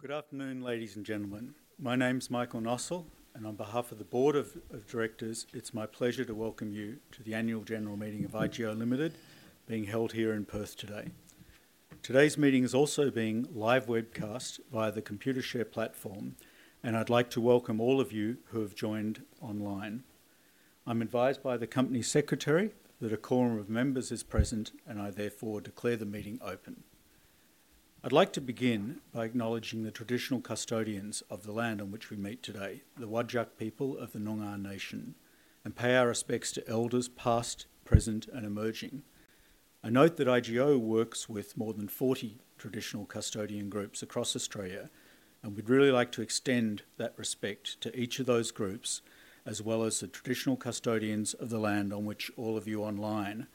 Good afternoon, ladies and gentlemen. My name's Michael Nossal, and on behalf of the Board of Directors, it's my pleasure to welcome you to the Annual General Meeting of IGO Limited, being held here in Perth today. Today's meeting is also being live-webcasted via the Computershare platform, and I'd like to welcome all of you who have joined online. I'm advised by the Company Secretary that a quorum of members is present, and I therefore declare the meeting open. I'd like to begin by acknowledging the traditional custodians of the land on which we meet today, the Whadjuk people of the Noongar Nation, and pay our respects to elders past, present, and emerging. I note that IGO works with more than 40 traditional custodian groups across Australia, and we'd really like to extend that respect to each of those groups, as well as the traditional custodians of the land on which all of you online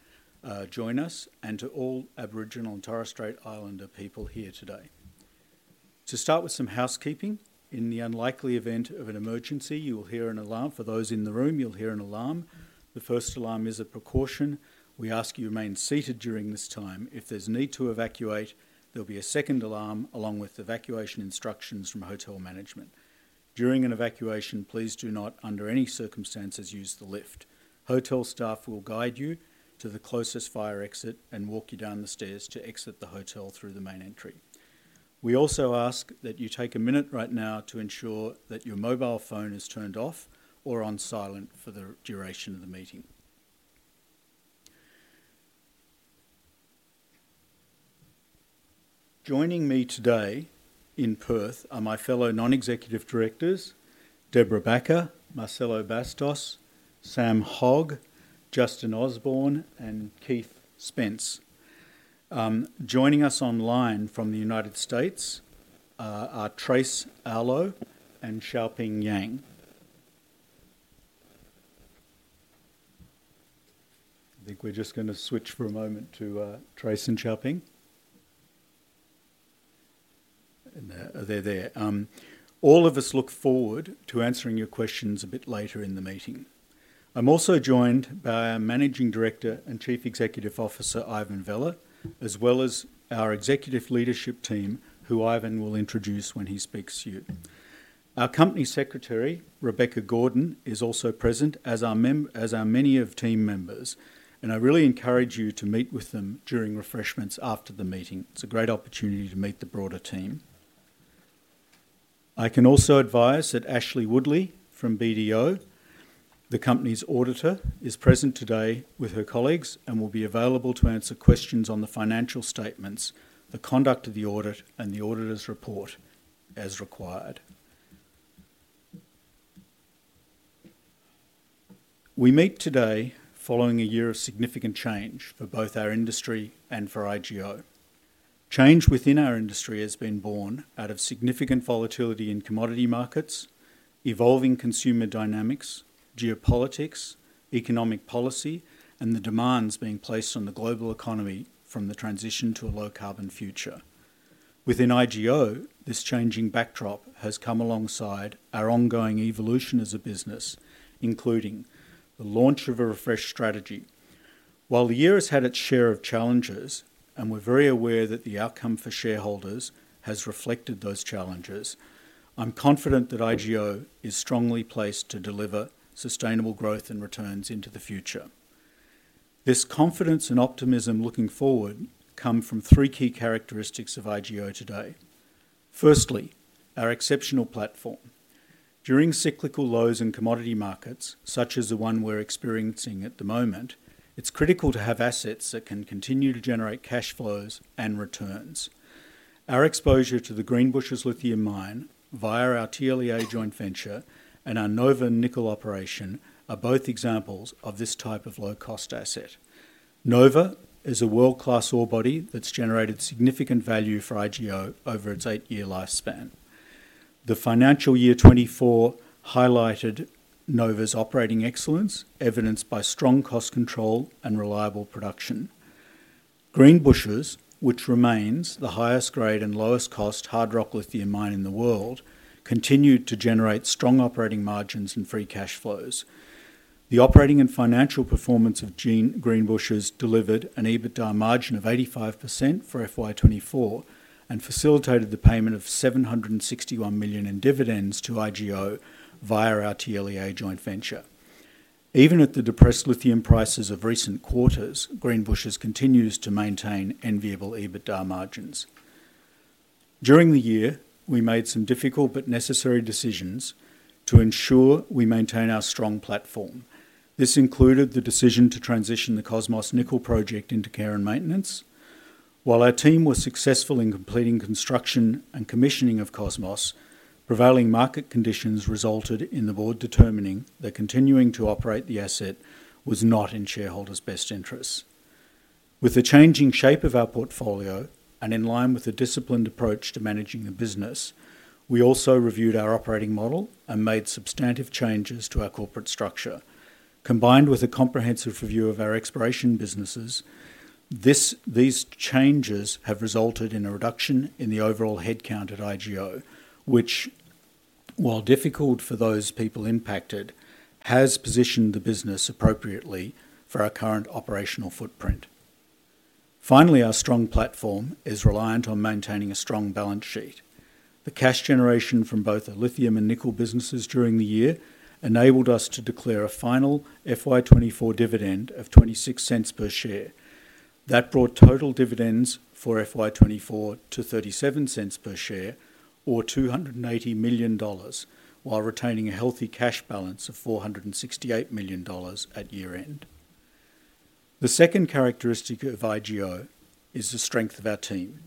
join us, and to all Aboriginal and Torres Strait Islander people here today. To start with some housekeeping, in the unlikely event of an emergency, you will hear an alarm. For those in the room, you'll hear an alarm. The first alarm is a precaution. We ask you to remain seated during this time. If there's a need to evacuate, there'll be a second alarm, along with evacuation instructions from hotel management. During an evacuation, please do not, under any circumstances, use the lift. Hotel staff will guide you to the closest fire exit and walk you down the stairs to exit the hotel through the main entry. We also ask that you take a minute right now to ensure that your mobile phone is turned off or on silent for the duration of the meeting. Joining me today in Perth are my fellow Non-Executive Directors, Debra Bakker, Marcelo Bastos, Sam Hogg, Justin Osborne, and Keith Spence. Joining us online from the United States are Tracey Arlaud and Xiaoping Yang. I think we're just going to switch for a moment to Tracey and Xiaoping. They're there. All of us look forward to answering your questions a bit later in the meeting. I'm also joined by our Managing Director and Chief Executive Officer, Ivan Vella, as well as our executive leadership team, who Ivan will introduce when he speaks to you. Our Company Secretary, Rebecca Gordon, is also present, as are many of our team members, and I really encourage you to meet with them during refreshments after the meeting. It's a great opportunity to meet the broader team. I can also advise that Ashleigh Woodley from BDO, the Company's auditor, is present today with her colleagues and will be available to answer questions on the financial statements, the conduct of the audit, and the auditor's report as required. We meet today following a year of significant change for both our industry and for IGO. Change within our industry has been born out of significant volatility in commodity markets, evolving consumer dynamics, geopolitics, economic policy, and the demands being placed on the global economy from the transition to a low-carbon future. Within IGO, this changing backdrop has come alongside our ongoing evolution as a business, including the launch of a refresh strategy. While the year has had its share of challenges, and we're very aware that the outcome for shareholders has reflected those challenges, I'm confident that IGO is strongly placed to deliver sustainable growth and returns into the future. This confidence and optimism looking forward come from three key characteristics of IGO today. Firstly, our exceptional platform. During cyclical lows in commodity markets, such as the one we're experiencing at the moment, it's critical to have assets that can continue to generate cash flows and returns. Our exposure to the Greenbushes Lithium Mine, via our TLEA joint venture, and our Nova nickel operation are both examples of this type of low-cost asset. Nova is a world-class ore body that's generated significant value for IGO over its eight-year lifespan. The financial year 2024 highlighted Nova's operating excellence, evidenced by strong cost control and reliable production. Greenbushes, which remains the highest-grade and lowest-cost hard rock lithium mine in the world, continued to generate strong operating margins and free cash flows. The operating and financial performance of Greenbushes delivered an EBITDA margin of 85% for FY 2024 and facilitated the payment of 761 million in dividends to IGO via our TLEA joint venture. Even at the depressed lithium prices of recent quarters, Greenbushes continues to maintain enviable EBITDA margins. During the year, we made some difficult but necessary decisions to ensure we maintain our strong platform. This included the decision to transition the Cosmos nickel project into care and maintenance. While our team was successful in completing construction and commissioning of Cosmos, prevailing market conditions resulted in the board determining that continuing to operate the asset was not in shareholders' best interests. With the changing shape of our portfolio and in line with a disciplined approach to managing the business, we also reviewed our operating model and made substantive changes to our corporate structure. Combined with a comprehensive review of our exploration businesses, these changes have resulted in a reduction in the overall headcount at IGO, which, while difficult for those people impacted, has positioned the business appropriately for our current operational footprint. Finally, our strong platform is reliant on maintaining a strong balance sheet. The cash generation from both the lithium and nickel businesses during the year enabled us to declare a final FY 2024 dividend of 0.26 per share. That brought total dividends for FY 2024 to 0.37 per share, or 280 million dollars, while retaining a healthy cash balance of 468 million dollars at year-end. The second characteristic of IGO is the strength of our team.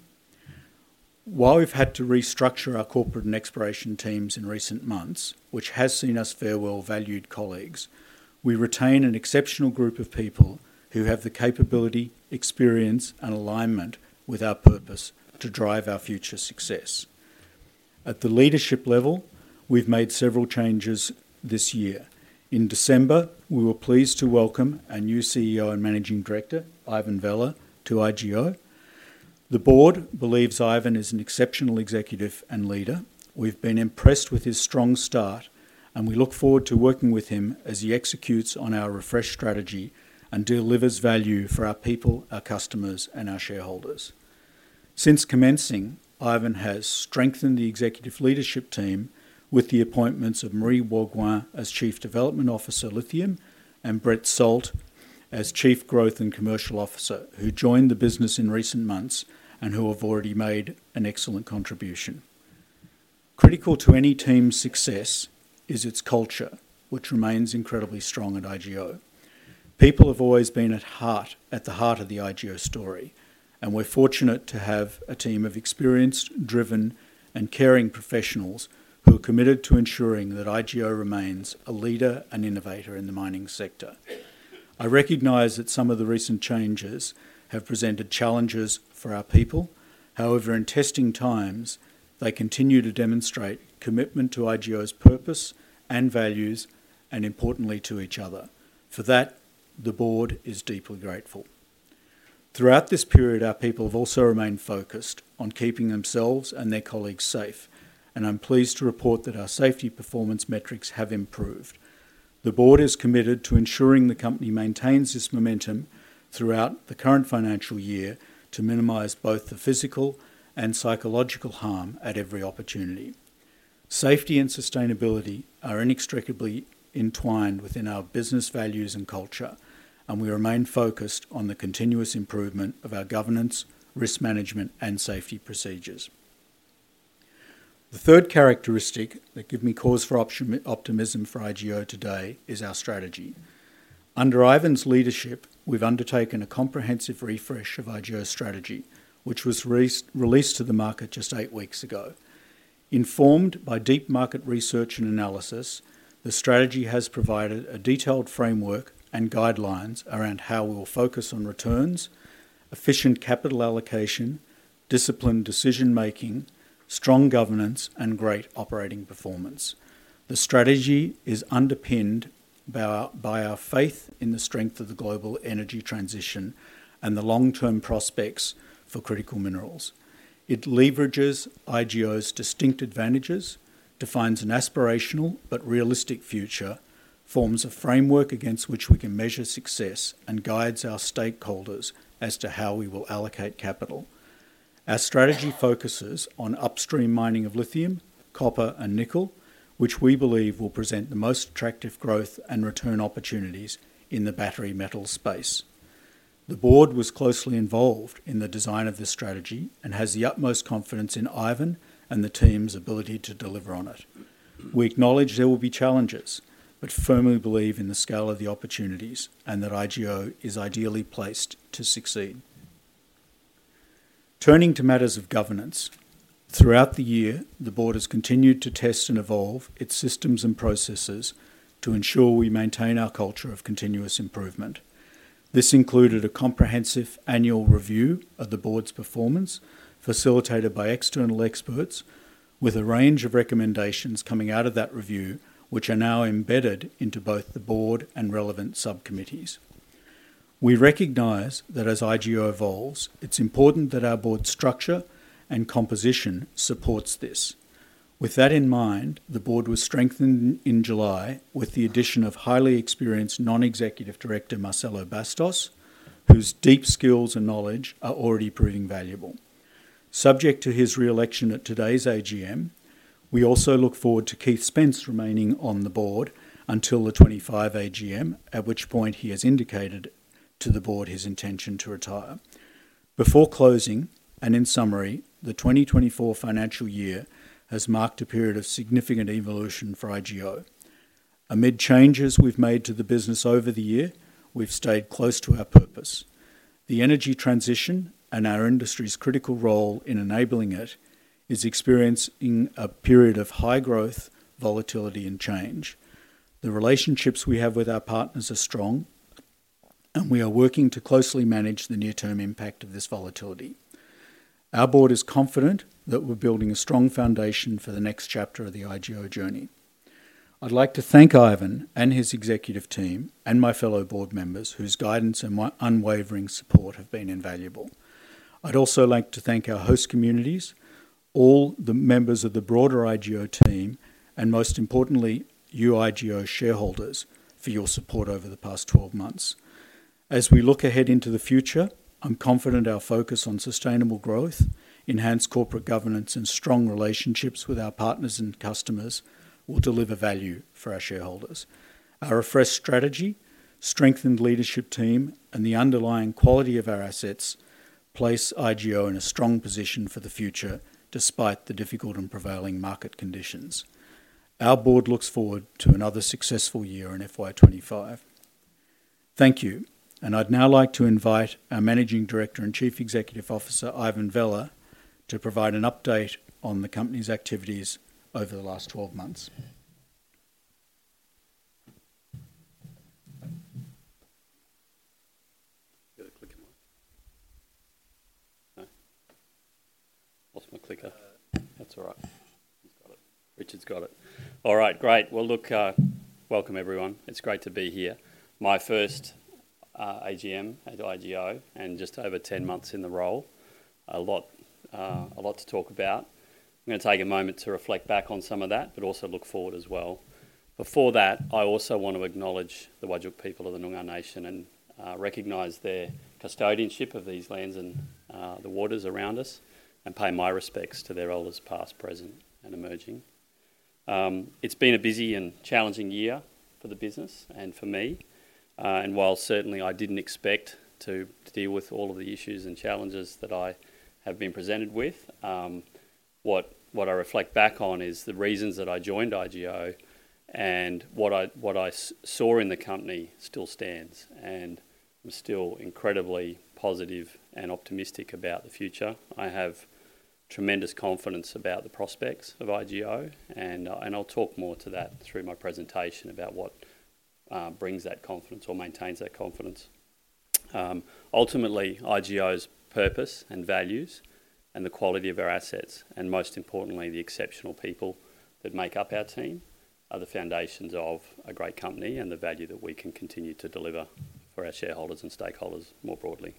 While we've had to restructure our corporate and exploration teams in recent months, which has seen us farewell to valued colleagues, we retain an exceptional group of people who have the capability, experience, and alignment with our purpose to drive our future success. At the leadership level, we've made several changes this year. In December, we were pleased to welcome our new CEO and Managing Director, Ivan Vella, to IGO. The board believes Ivan is an exceptional executive and leader. We've been impressed with his strong start, and we look forward to working with him as he executes on our refresh strategy and delivers value for our people, our customers, and our shareholders. Since commencing, Ivan has strengthened the executive leadership team with the appointments of Marie Bourgoin as Chief Development Officer Lithium and Brett Salt as Chief Growth and Commercial Officer, who joined the business in recent months and who have already made an excellent contribution. Critical to any team's success is its culture, which remains incredibly strong at IGO. People have always been at the heart of the IGO story, and we're fortunate to have a team of experienced, driven, and caring professionals who are committed to ensuring that IGO remains a leader and innovator in the mining sector. I recognize that some of the recent changes have presented challenges for our people. However, in testing times, they continue to demonstrate commitment to IGO's purpose and values, and importantly, to each other. For that, the board is deeply grateful. Throughout this period, our people have also remained focused on keeping themselves and their colleagues safe, and I'm pleased to report that our safety performance metrics have improved. The board is committed to ensuring the company maintains this momentum throughout the current financial year to minimize both the physical and psychological harm at every opportunity. Safety and sustainability are inextricably entwined within our business values and culture, and we remain focused on the continuous improvement of our governance, risk management, and safety procedures. The third characteristic that gives me cause for optimism for IGO today is our strategy. Under Ivan's leadership, we've undertaken a comprehensive refresh of IGO's strategy, which was released to the market just eight weeks ago. Informed by deep market research and analysis, the strategy has provided a detailed framework and guidelines around how we will focus on returns, efficient capital allocation, disciplined decision-making, strong governance, and great operating performance. The strategy is underpinned by our faith in the strength of the global energy transition and the long-term prospects for critical minerals. It leverages IGO's distinct advantages, defines an aspirational but realistic future, forms a framework against which we can measure success, and guides our stakeholders as to how we will allocate capital. Our strategy focuses on upstream mining of lithium, copper, and nickel, which we believe will present the most attractive growth and return opportunities in the battery metal space. The board was closely involved in the design of this strategy and has the utmost confidence in Ivan and the team's ability to deliver on it. We acknowledge there will be challenges, but firmly believe in the scale of the opportunities and that IGO is ideally placed to succeed. Turning to matters of governance, throughout the year, the board has continued to test and evolve its systems and processes to ensure we maintain our culture of continuous improvement. This included a comprehensive annual review of the board's performance, facilitated by external experts, with a range of recommendations coming out of that review, which are now embedded into both the board and relevant subcommittees. We recognize that as IGO evolves, it's important that our board's structure and composition supports this. With that in mind, the board was strengthened in July with the addition of highly experienced Non-Executive Director Marcelo Bastos, whose deep skills and knowledge are already proving valuable. Subject to his reelection at today's AGM, we also look forward to Keith Spence remaining on the board until the 2025 AGM, at which point he has indicated to the board his intention to retire. Before closing and in summary, the 2024 financial year has marked a period of significant evolution for IGO. Amid changes we've made to the business over the year, we've stayed close to our purpose. The energy transition and our industry's critical role in enabling it is experiencing a period of high growth, volatility, and change. The relationships we have with our partners are strong, and we are working to closely manage the near-term impact of this volatility. Our board is confident that we're building a strong foundation for the next chapter of the IGO journey. I'd like to thank Ivan and his executive team and my fellow board members, whose guidance and unwavering support have been invaluable. I'd also like to thank our host communities, all the members of the broader IGO team, and most importantly, you IGO shareholders, for your support over the past 12 months. As we look ahead into the future, I'm confident our focus on sustainable growth, enhanced corporate governance, and strong relationships with our partners and customers will deliver value for our shareholders. Our refreshed strategy, strengthened leadership team, and the underlying quality of our assets place IGO in a strong position for the future despite the difficult and prevailing market conditions. Our board looks forward to another successful year in FY 2025. Thank you, and I'd now like to invite our Managing Director and Chief Executive Officer, Ivan Vella, to provide an update on the company's activities over the last 12 months. Clicking my clicker. That's all right. He's got it. Richard's got it. All right. Great. Well, look, welcome, everyone. It's great to be here. My first AGM at IGO and just over 10 months in the role, a lot to talk about. I'm going to take a moment to reflect back on some of that, but also look forward as well. Before that, I also want to acknowledge the Whadjuk people of the Noongar Nation and recognize their custodianship of these lands and the waters around us and pay my respects to their elders past, present, and emerging. It's been a busy and challenging year for the business and for me. While certainly I didn't expect to deal with all of the issues and challenges that I have been presented with, what I reflect back on is the reasons that I joined IGO and what I saw in the company still stands. I'm still incredibly positive and optimistic about the future. I have tremendous confidence about the prospects of IGO, and I'll talk more to that through my presentation about what brings that confidence or maintains that confidence. Ultimately, IGO's purpose and values and the quality of our assets and, most importantly, the exceptional people that make up our team are the foundations of a great company and the value that we can continue to deliver for our shareholders and stakeholders more broadly.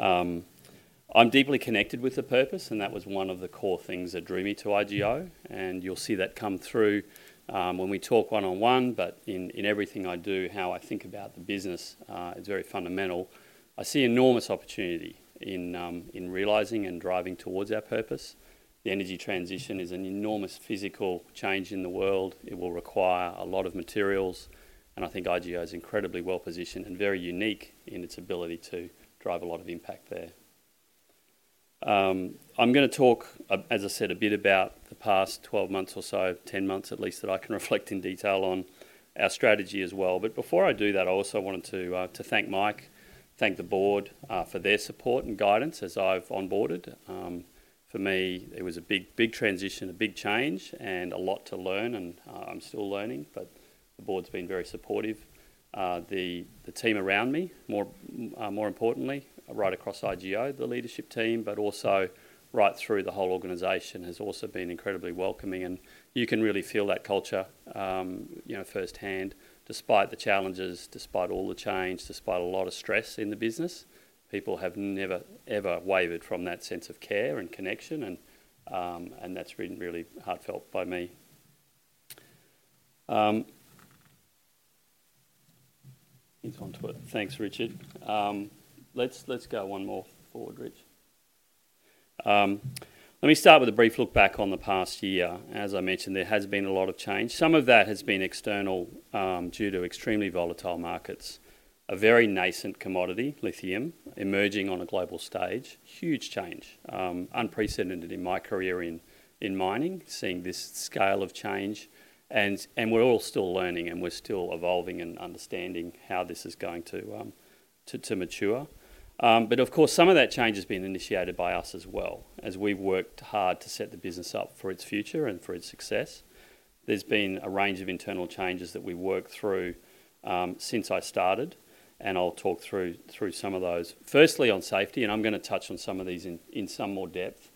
I'm deeply connected with the purpose, and that was one of the core things that drew me to IGO. You'll see that come through when we talk one-on-one, but in everything I do, how I think about the business, it's very fundamental. I see enormous opportunity in realizing and driving towards our purpose. The energy transition is an enormous physical change in the world. It will require a lot of materials, and I think IGO is incredibly well-positioned and very unique in its ability to drive a lot of impact there. I'm going to talk, as I said, a bit about the past 12 months or so, 10 months at least, that I can reflect in detail on our strategy as well. But before I do that, I also wanted to thank Mike, thank the board for their support and guidance as I've onboarded. For me, it was a big transition, a big change, and a lot to learn, and I'm still learning, but the board's been very supportive. The team around me, more importantly, right across IGO, the leadership team, but also right through the whole organization has also been incredibly welcoming. And you can really feel that culture firsthand. Despite the challenges, despite all the change, despite a lot of stress in the business, people have never, ever wavered from that sense of care and connection, and that's been really heartfelt by me. He's onto it. Thanks, Richard. Let's go one more forward, Richard. Let me start with a brief look back on the past year. As I mentioned, there has been a lot of change. Some of that has been external due to extremely volatile markets. A very nascent commodity, lithium, emerging on a global stage. Huge change. Unprecedented in my career in mining, seeing this scale of change. And we're all still learning, and we're still evolving and understanding how this is going to mature. But of course, some of that change has been initiated by us as well, as we've worked hard to set the business up for its future and for its success. There's been a range of internal changes that we've worked through since I started, and I'll talk through some of those. Firstly, on safety, and I'm going to touch on some of these in some more depth.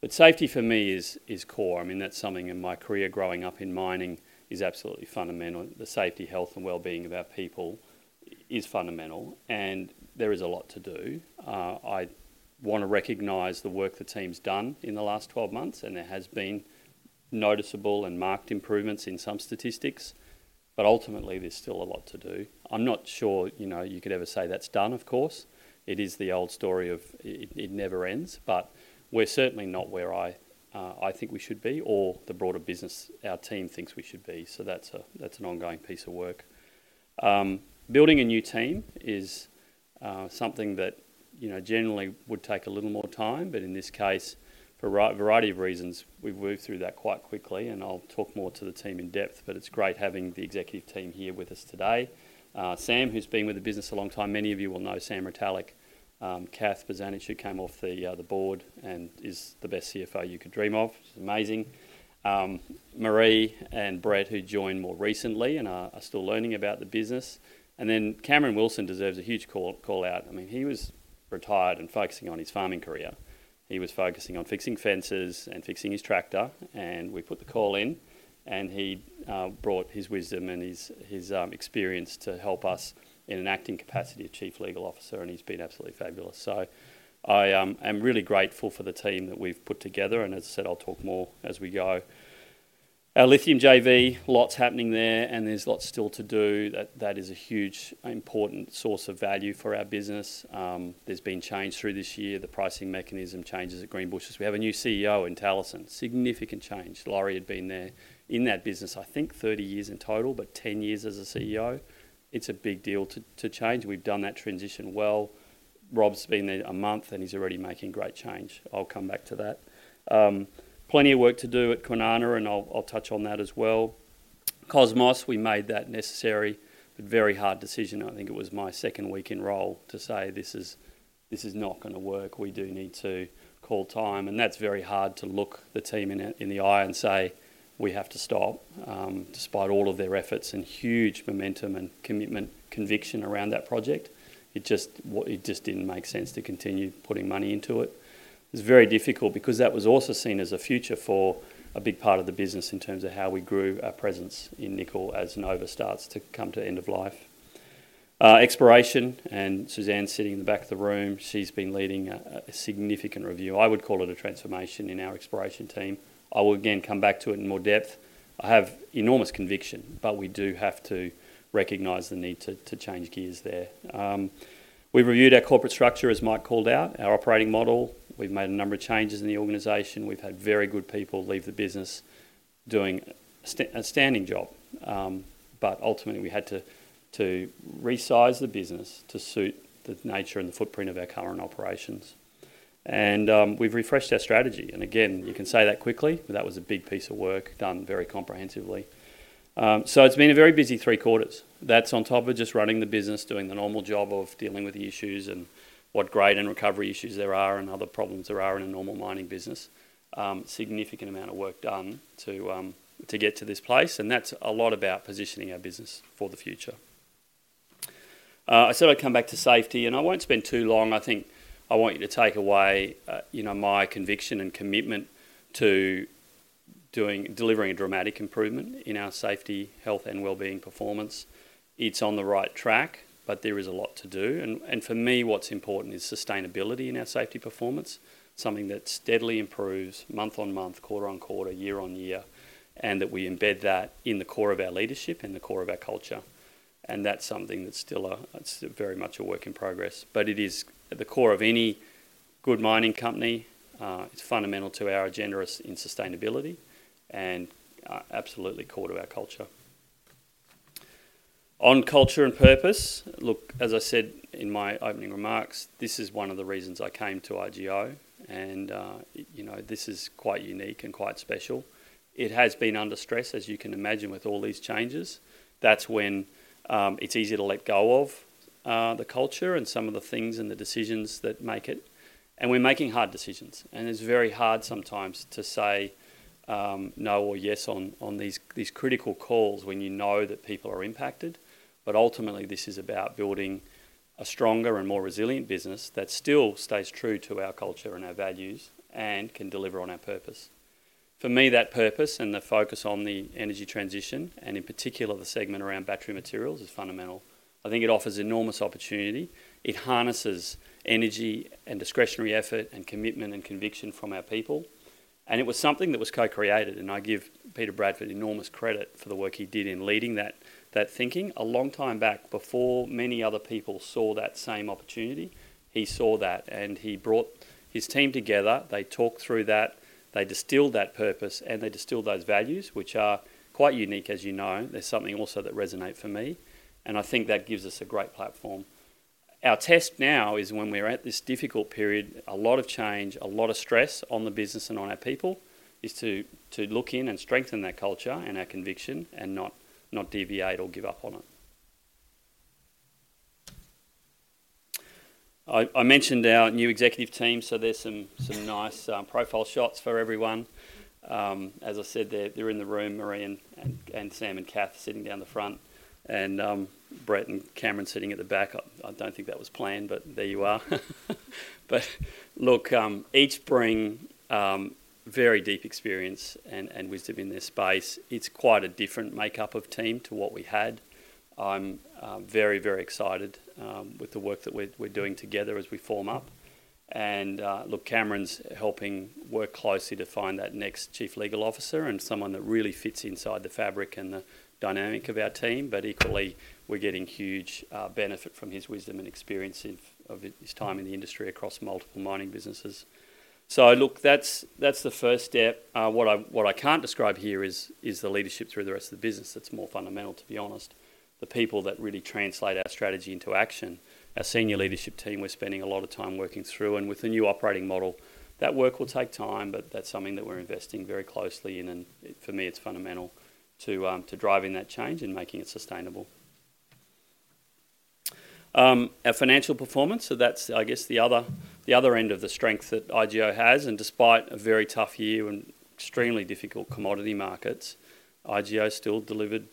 But safety for me is core. I mean, that's something in my career growing up in mining is absolutely fundamental. The safety, health, and well-being of our people is fundamental, and there is a lot to do. I want to recognize the work the team's done in the last 12 months, and there has been noticeable and marked improvements in some statistics, but ultimately, there's still a lot to do. I'm not sure you could ever say that's done, of course. It is the old story of it never ends, but we're certainly not where I think we should be or the broader business our team thinks we should be. So that's an ongoing piece of work. Building a new team is something that generally would take a little more time, but in this case, for a variety of reasons, we've moved through that quite quickly, and I'll talk more to the team in depth, but it's great having the executive team here with us today. Sam, who's been with the business a long time, many of you will know Sam Retallack, Kath Bozanic, who came off the board and is the best CFO you could dream of. She's amazing. Marie and Brett, who joined more recently and are still learning about the business, and then Cameron Wilson deserves a huge call-out. I mean, he was retired and focusing on his farming career. He was focusing on fixing fences and fixing his tractor, and we put the call in, and he brought his wisdom and his experience to help us in an acting capacity of Chief Legal Officer, and he's been absolutely fabulous, so I am really grateful for the team that we've put together, and as I said, I'll talk more as we go. Our lithium JV, lots happening there, and there's lots still to do. That is a huge, important source of value for our business. There's been change through this year. The pricing mechanism changes at Greenbushes. We have a new CEO in Talison. Significant change. Laurie had been there in that business, I think, 30 years in total, but 10 years as a CEO. It's a big deal to change. We've done that transition well. Rob's been there a month, and he's already making great change. I'll come back to that. Plenty of work to do at Kwinana, and I'll touch on that as well. Cosmos, we made that necessary, but very hard decision. I think it was my second week in role to say, "This is not going to work. We do need to call time." And that's very hard to look the team in the eye and say, "We have to stop." Despite all of their efforts and huge momentum and commitment, conviction around that project, it just didn't make sense to continue putting money into it. It's very difficult because that was also seen as a future for a big part of the business in terms of how we grew our presence in nickel as Nova starts to come to end of life. Exploration and Susan sitting in the back of the room, she's been leading a significant review. I would call it a transformation in our exploration team. I will again come back to it in more depth. I have enormous conviction, but we do have to recognize the need to change gears there. We've reviewed our corporate structure, as Mike called out, our operating model. We've made a number of changes in the organization. We've had very good people leave the business doing an outstanding job, but ultimately, we had to resize the business to suit the nature and the footprint of our current operations. And we've refreshed our strategy. And again, you can say that quickly, but that was a big piece of work done very comprehensively. So it's been a very busy three quarters. That's on top of just running the business, doing the normal job of dealing with the issues and whatever grade and recovery issues there are and other problems there are in a normal mining business. Significant amount of work done to get to this place, and that's a lot about positioning our business for the future. I said I'd come back to safety, and I won't spend too long. I think I want you to take away my conviction and commitment to delivering a dramatic improvement in our safety, health, and well-being performance. It's on the right track, but there is a lot to do. And for me, what's important is sustainability in our safety performance, something that steadily improves month on month, quarter on quarter, year on year, and that we embed that in the core of our leadership and the core of our culture. And that's something that's still very much a work in progress. But it is at the core of any good mining company. It's fundamental to our agenda in sustainability and absolutely core to our culture. On culture and purpose, look, as I said in my opening remarks, this is one of the reasons I came to IGO, and this is quite unique and quite special. It has been under stress, as you can imagine, with all these changes. That's when it's easy to let go of the culture and some of the things and the decisions that make it. And we're making hard decisions, and it's very hard sometimes to say no or yes on these critical calls when you know that people are impacted. But ultimately, this is about building a stronger and more resilient business that still stays true to our culture and our values and can deliver on our purpose. For me, that purpose and the focus on the energy transition, and in particular, the segment around battery materials, is fundamental. I think it offers enormous opportunity. It harnesses energy and discretionary effort and commitment and conviction from our people. It was something that was co-created, and I give Peter Bradford enormous credit for the work he did in leading that thinking. A long time back, before many other people saw that same opportunity, he saw that, and he brought his team together. They talked through that. They distilled that purpose, and they distilled those values, which are quite unique, as you know. There's something also that resonates for me, and I think that gives us a great platform. Our test now is when we're at this difficult period, a lot of change, a lot of stress on the business and on our people is to look in and strengthen that culture and our conviction and not deviate or give up on it. I mentioned our new executive team, so there's some nice profile shots for everyone. As I said, they're in the room, Marie and Sam and Cath sitting down the front, and Brett and Cameron sitting at the back. I don't think that was planned, but there you are. But look, each brings very deep experience and wisdom in this space. It's quite a different makeup of team to what we had. I'm very, very excited with the work that we're doing together as we form up. And look, Cameron's helping work closely to find that next Chief Legal Officer and someone that really fits inside the fabric and the dynamic of our team. But equally, we're getting huge benefit from his wisdom and experience of his time in the industry across multiple mining businesses. So look, that's the first step. What I can't describe here is the leadership through the rest of the business. It's more fundamental, to be honest. The people that really translate our strategy into action, our senior leadership team, we're spending a lot of time working through. And with the new operating model, that work will take time, but that's something that we're investing very closely in, and for me, it's fundamental to driving that change and making it sustainable. Our financial performance, so that's, I guess, the other end of the strength that IGO has. And despite a very tough year and extremely difficult commodity markets, IGO still delivered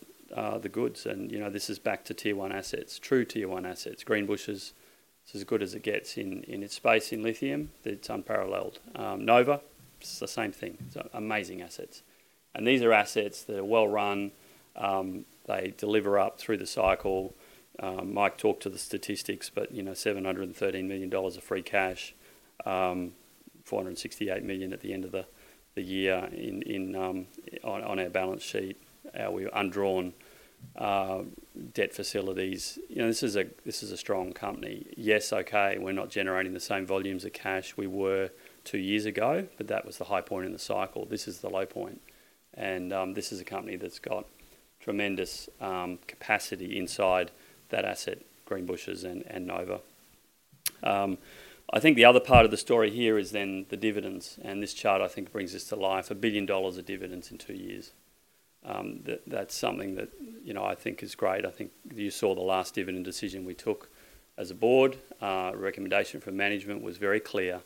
the goods. And this is back to tier one assets, true tier one assets. Greenbushes, it's as good as it gets in its space in lithium. It's unparalleled. Nova, it's the same thing. It's amazing assets. And these are assets that are well-run. They deliver up through the cycle. Mike talked to the statistics, but 713 million dollars of free cash, 468 million at the end of the year on our balance sheet, our undrawn debt facilities. This is a strong company. Yes, okay, we're not generating the same volumes of cash we were two years ago, but that was the high point in the cycle. This is the low point, and this is a company that's got tremendous capacity inside that asset, Greenbushes and Nova. I think the other part of the story here is then the dividends, and this chart, I think, brings this to life. 1 billion dollars of dividends in two years. That's something that I think is great. I think you saw the last dividend decision we took as a board. Recommendation from management was very clear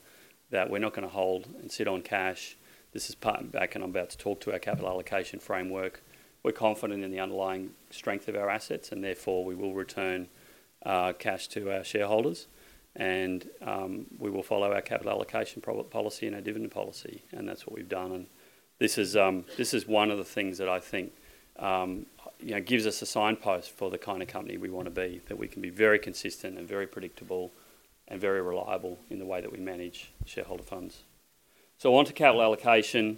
that we're not going to hold and sit on cash. This is part and parcel, and I'm about to talk about our capital allocation framework. We're confident in the underlying strength of our assets, and therefore, we will return cash to our shareholders. We will follow our capital allocation policy and our dividend policy, and that's what we've done. This is one of the things that I think gives us a signpost for the kind of company we want to be, that we can be very consistent and very predictable and very reliable in the way that we manage shareholder funds. Onto capital allocation.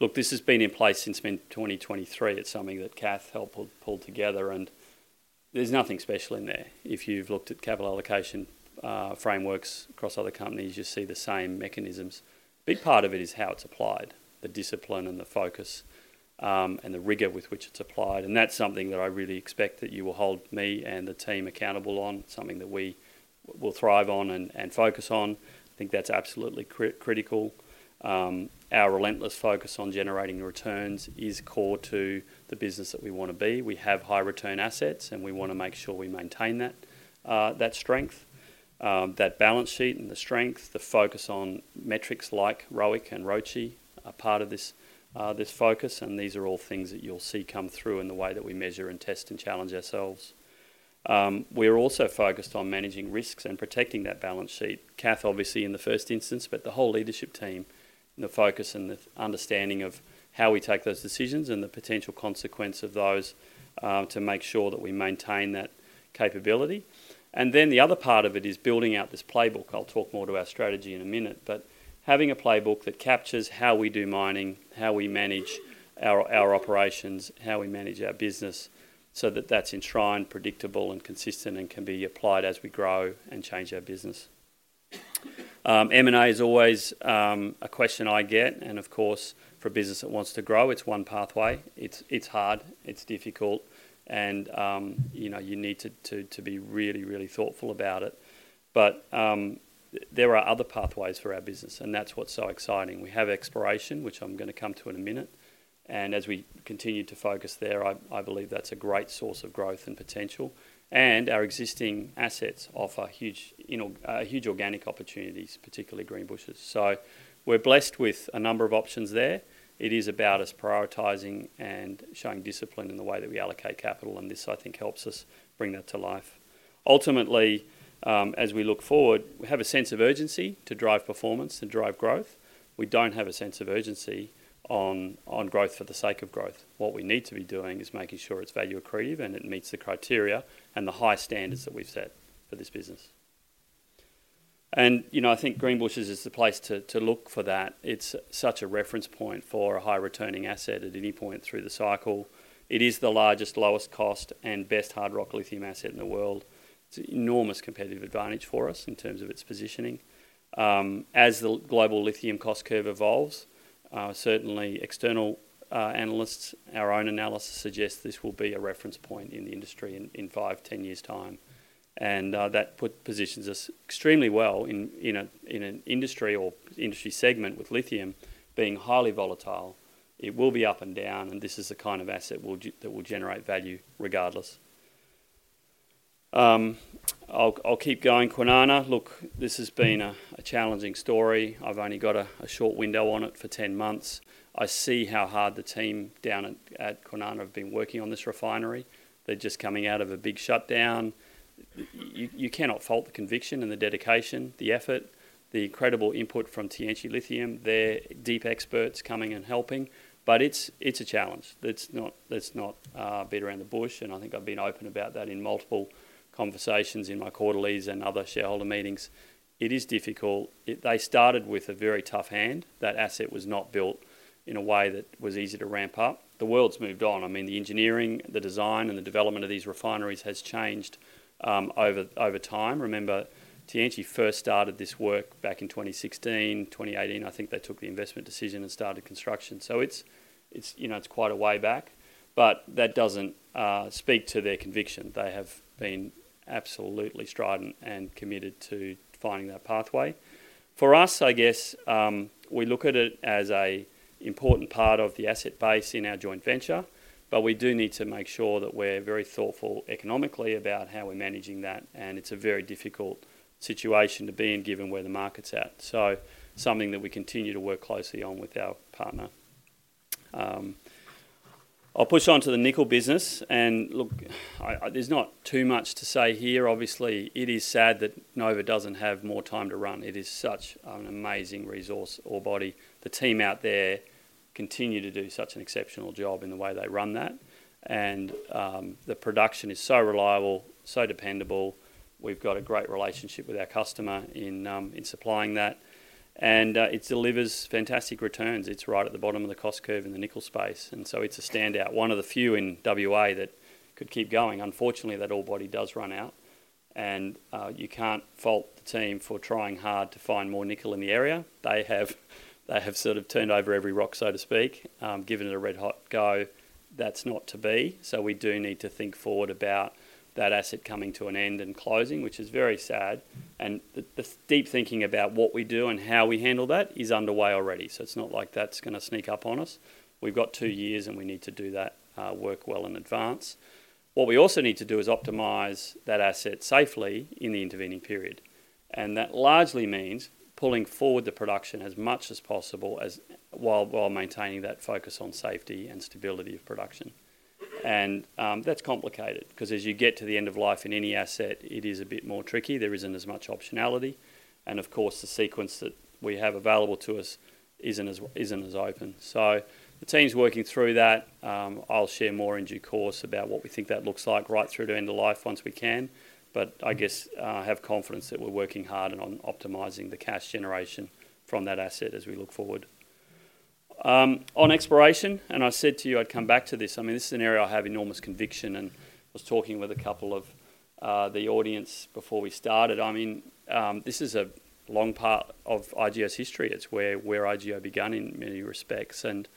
Look, this has been in place since 2023. It's something that Cath helped pull together, and there's nothing special in there. If you've looked at capital allocation frameworks across other companies, you see the same mechanisms. A big part of it is how it's applied, the discipline and the focus and the rigor with which it's applied, and that's something that I really expect that you will hold me and the team accountable on, something that we will thrive on and focus on. I think that's absolutely critical. Our relentless focus on generating returns is core to the business that we want to be. We have high-return assets, and we want to make sure we maintain that strength, that balance sheet and the strength. The focus on metrics like ROIC and ROCE are part of this focus, and these are all things that you'll see come through in the way that we measure and test and challenge ourselves. We are also focused on managing risks and protecting that balance sheet. Cath, obviously, in the first instance, but the whole leadership team, the focus and the understanding of how we take those decisions and the potential consequence of those to make sure that we maintain that capability. And then the other part of it is building out this playbook. I'll talk more to our strategy in a minute, but having a playbook that captures how we do mining, how we manage our operations, how we manage our business so that that's enshrined, predictable, and consistent and can be applied as we grow and change our business. M&A is always a question I get, and of course, for a business that wants to grow, it's one pathway. It's hard. It's difficult, and you need to be really, really thoughtful about it. But there are other pathways for our business, and that's what's so exciting. We have exploration, which I'm going to come to in a minute and as we continue to focus there, I believe that's a great source of growth and potential and our existing assets offer huge organic opportunities, particularly Greenbushes. So we're blessed with a number of options there. It is about us prioritizing and showing discipline in the way that we allocate capital, and this, I think, helps us bring that to life. Ultimately, as we look forward, we have a sense of urgency to drive performance and drive growth. We don't have a sense of urgency on growth for the sake of growth. What we need to be doing is making sure it's value accretive and it meets the criteria and the high standards that we've set for this business and I think Greenbushes is the place to look for that. It's such a reference point for a high-returning asset at any point through the cycle. It is the largest, lowest cost, and best hard rock lithium asset in the world. It's an enormous competitive advantage for us in terms of its positioning. As the global lithium cost curve evolves, certainly external analysts, our own analysis suggests this will be a reference point in the industry in five, 10 years' time, and that positions us extremely well in an industry or industry segment with lithium being highly volatile. It will be up and down, and this is the kind of asset that will generate value regardless. I'll keep going. Kwinana, look, this has been a challenging story. I've only got a short window on it for 10 months. I see how hard the team down at Kwinana have been working on this refinery. They're just coming out of a big shutdown. You cannot fault the conviction and the dedication, the effort, the incredible input from Tianqi Lithium. They're deep experts coming and helping, but it's a challenge. That's not to beat around the bush, and I think I've been open about that in multiple conversations in my quarterlies and other shareholder meetings. It is difficult. They started with a very tough hand. That asset was not built in a way that was easy to ramp up. The world's moved on. I mean, the engineering, the design, and the development of these refineries has changed over time. Remember, Tianqi first started this work back in 2016, 2018. I think they took the investment decision and started construction. So it's quite a way back, but that doesn't speak to their conviction. They have been absolutely strident and committed to finding that pathway. For us, I guess, we look at it as an important part of the asset base in our joint venture, but we do need to make sure that we're very thoughtful economically about how we're managing that, and it's a very difficult situation to be in given where the market's at, so something that we continue to work closely on with our partner. I'll push on to the nickel business. And look, there's not too much to say here. Obviously, it is sad that Nova doesn't have more time to run. It is such an amazing resource, ore body. The team out there continue to do such an exceptional job in the way they run that. And the production is so reliable, so dependable. We've got a great relationship with our customer in supplying that. And it delivers fantastic returns. It's right at the bottom of the cost curve in the nickel space. And so it's a standout, one of the few in WA that could keep going. Unfortunately, that orebody does run out. And you can't fault the team for trying hard to find more nickel in the area. They have sort of turned over every rock, so to speak, given it a red-hot go. That's not to be. So we do need to think forward about that asset coming to an end and closing, which is very sad. And the deep thinking about what we do and how we handle that is underway already. So it's not like that's going to sneak up on us. We've got two years, and we need to do that work well in advance. What we also need to do is optimize that asset safely in the intervening period. And that largely means pulling forward the production as much as possible while maintaining that focus on safety and stability of production. And that's complicated because as you get to the end of life in any asset, it is a bit more tricky. There isn't as much optionality. And of course, the sequence that we have available to us isn't as open. So the team's working through that. I'll share more in due course about what we think that looks like right through to end of life once we can. But I guess I have confidence that we're working hard and on optimizing the cash generation from that asset as we look forward. On exploration, and I said to you I'd come back to this. I mean, this is an area I have enormous conviction. And I was talking with a couple of the audience before we started. I mean, this is a long part of IGO's history. It's where IGO began in many respects. And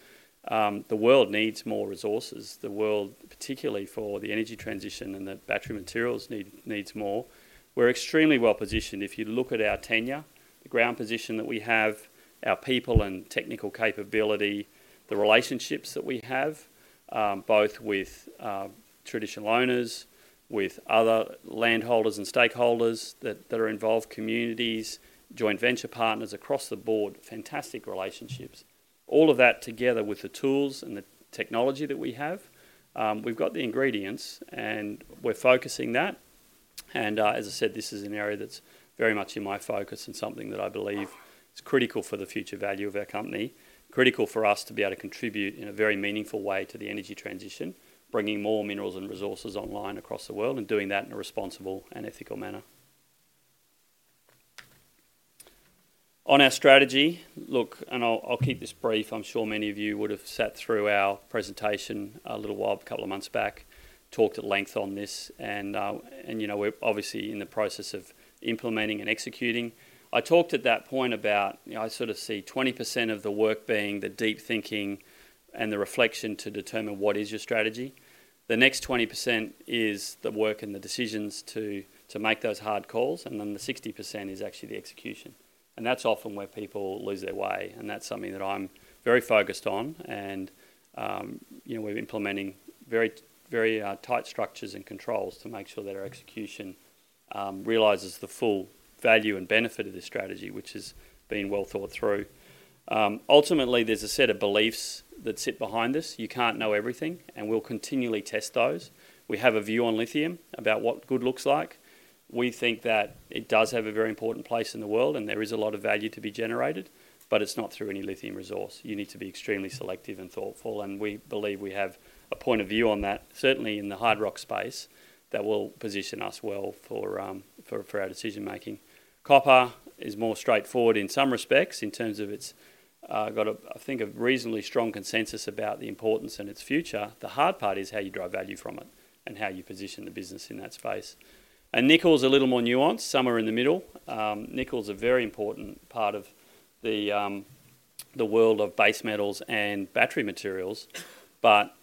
the world needs more resources, the world, particularly for the energy transition and the battery materials needs more. We're extremely well positioned. If you look at our tenure, the ground position that we have, our people and technical capability, the relationships that we have, both with traditional owners, with other landholders and stakeholders that are involved, communities, joint venture partners across the board, fantastic relationships. All of that together with the tools and the technology that we have, we've got the ingredients, and we're focusing that. As I said, this is an area that's very much in my focus and something that I believe is critical for the future value of our company, critical for us to be able to contribute in a very meaningful way to the energy transition, bringing more minerals and resources online across the world and doing that in a responsible and ethical manner. On our strategy, look, and I'll keep this brief. I'm sure many of you would have sat through our presentation a little while, a couple of months back, talked at length on this. We're obviously in the process of implementing and executing. I talked at that point about I sort of see 20% of the work being the deep thinking and the reflection to determine what is your strategy. The next 20% is the work and the decisions to make those hard calls. And then the 60% is actually the execution. And that's often where people lose their way. And that's something that I'm very focused on. And we're implementing very tight structures and controls to make sure that our execution realizes the full value and benefit of this strategy, which has been well thought through. Ultimately, there's a set of beliefs that sit behind this. You can't know everything, and we'll continually test those. We have a view on lithium about what good looks like. We think that it does have a very important place in the world, and there is a lot of value to be generated, but it's not through any lithium resource. You need to be extremely selective and thoughtful. And we believe we have a point of view on that, certainly in the hard rock space, that will position us well for our decision-making. Copper is more straightforward in some respects in terms of it's got, I think, a reasonably strong consensus about the importance and its future. The hard part is how you drive value from it and how you position the business in that space. And nickel is a little more nuanced, somewhere in the middle. Nickel is a very important part of the world of base metals and battery materials, but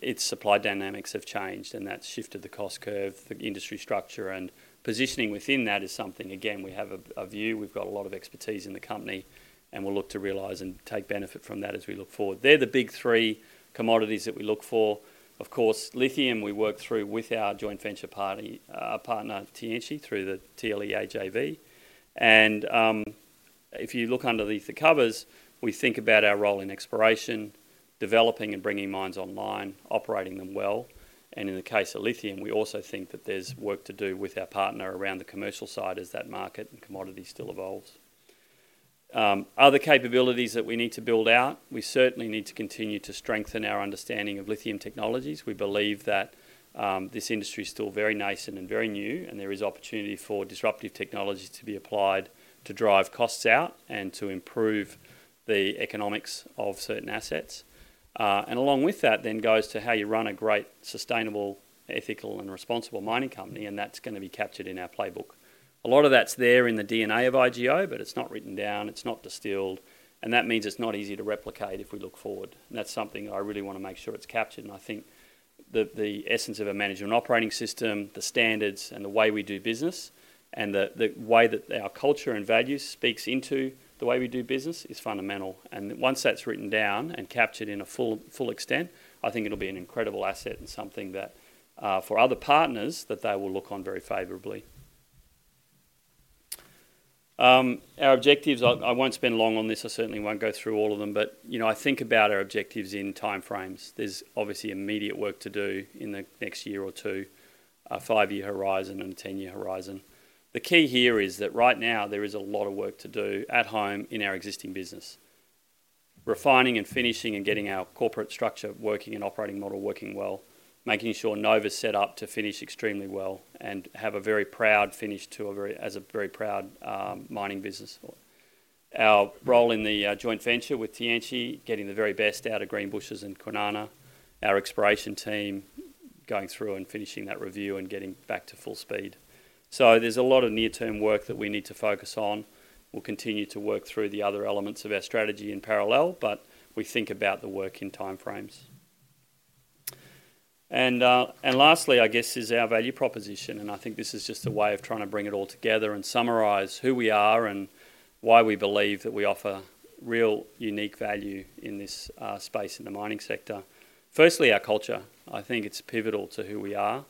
its supply dynamics have changed, and that's shifted the cost curve, the industry structure. And positioning within that is something, again, we have a view. We've got a lot of expertise in the company, and we'll look to realize and take benefit from that as we look forward. They're the big three commodities that we look for. Of course, lithium, we work through with our joint venture partner, Tianqi, through the TLEA JV. And if you look underneath the covers, we think about our role in exploration, developing and bringing mines online, operating them well. And in the case of lithium, we also think that there's work to do with our partner around the commercial side as that market and commodity still evolves. Other capabilities that we need to build out, we certainly need to continue to strengthen our understanding of lithium technologies. We believe that this industry is still very nascent and very new, and there is opportunity for disruptive technologies to be applied to drive costs out and to improve the economics of certain assets. And along with that then goes to how you run a great, sustainable, ethical, and responsible mining company, and that's going to be captured in our playbook. A lot of that's there in the DNA of IGO, but it's not written down. It's not distilled. And that means it's not easy to replicate if we look forward. And that's something I really want to make sure it's captured. And I think the essence of a management operating system, the standards, and the way we do business, and the way that our culture and values speak into the way we do business is fundamental. And once that's written down and captured in a full extent, I think it'll be an incredible asset and something for other partners that they will look on very favorably. Our objectives, I won't spend long on this. I certainly won't go through all of them, but I think about our objectives in time frames. There's obviously immediate work to do in the next year or two, a five-year horizon and a 10-year horizon. The key here is that right now there is a lot of work to do at home in our existing business, refining and finishing and getting our corporate structure working and operating model working well, making sure Nova's set up to finish extremely well and have a very proud finish to a very as a very proud mining business. Our role in the joint venture with Tianqi, getting the very best out of Greenbushes and Kwinana, our exploration team going through and finishing that review and getting back to full speed. So there's a lot of near-term work that we need to focus on. We'll continue to work through the other elements of our strategy in parallel, but we think about the work in time frames. And lastly, I guess, is our value proposition. And I think this is just a way of trying to bring it all together and summarize who we are and why we believe that we offer real unique value in this space in the mining sector. Firstly, our culture. I think it's pivotal to who we are.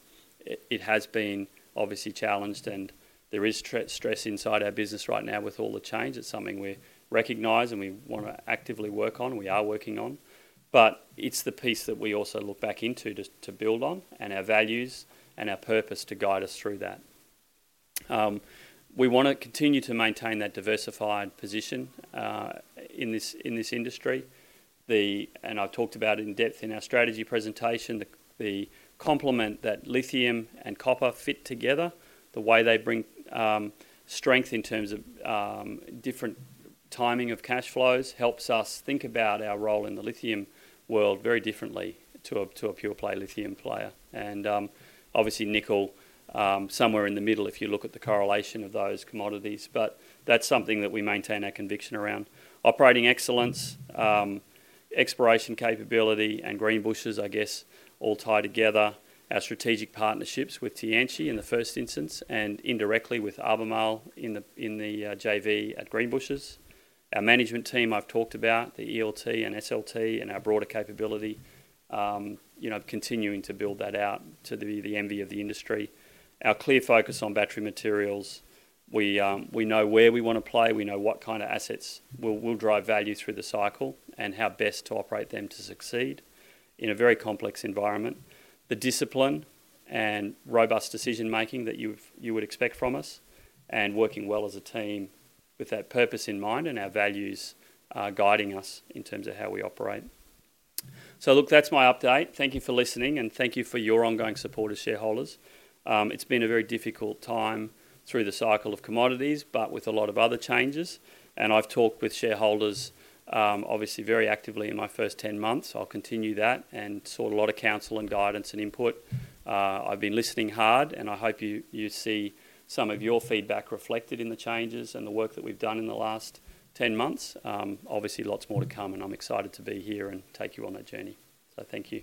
It has been obviously challenged, and there is stress inside our business right now with all the change. It's something we recognize and we want to actively work on. We are working on. But it's the piece that we also look back into to build on and our values and our purpose to guide us through that. We want to continue to maintain that diversified position in this industry. And I've talked about it in depth in our strategy presentation. The complement that lithium and copper fit together, the way they bring strength in terms of different timing of cash flows helps us think about our role in the lithium world very differently to a pure-play lithium player. And obviously, nickel somewhere in the middle if you look at the correlation of those commodities. But that's something that we maintain our conviction around. Operating excellence, exploration capability, and Greenbushes, I guess, all tie together. Our strategic partnerships with Tianqi in the first instance and indirectly with Albemarle in the JV at Greenbushes. Our management team, I've talked about, the ELT and SLT and our broader capability, continuing to build that out to be the envy of the industry. Our clear focus on battery materials. We know where we want to play. We know what kind of assets will drive value through the cycle and how best to operate them to succeed in a very complex environment. The discipline and robust decision-making that you would expect from us and working well as a team with that purpose in mind and our values guiding us in terms of how we operate. So look, that's my update. Thank you for listening, and thank you for your ongoing support as shareholders. It's been a very difficult time through the cycle of commodities, but with a lot of other changes. And I've talked with shareholders, obviously, very actively in my first 10 months. I'll continue that and sought a lot of counsel and guidance and input. I've been listening hard, and I hope you see some of your feedback reflected in the changes and the work that we've done in the last 10 months. Obviously, lots more to come, and I'm excited to be here and take you on that journey. So thank you.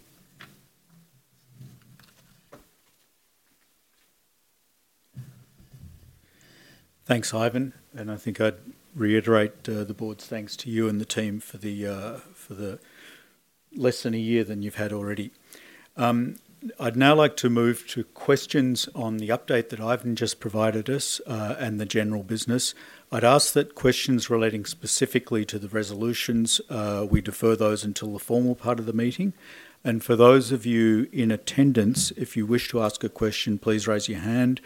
Thanks, Ivan. And I think I'd reiterate the board's thanks to you and the team for the less than a year than you've had already. I'd now like to move to questions on the update that Ivan just provided us and the general business. I'd ask that questions relating specifically to the resolutions, we defer those until the formal part of the meeting. And for those of you in attendance, if you wish to ask a question, please raise your hand.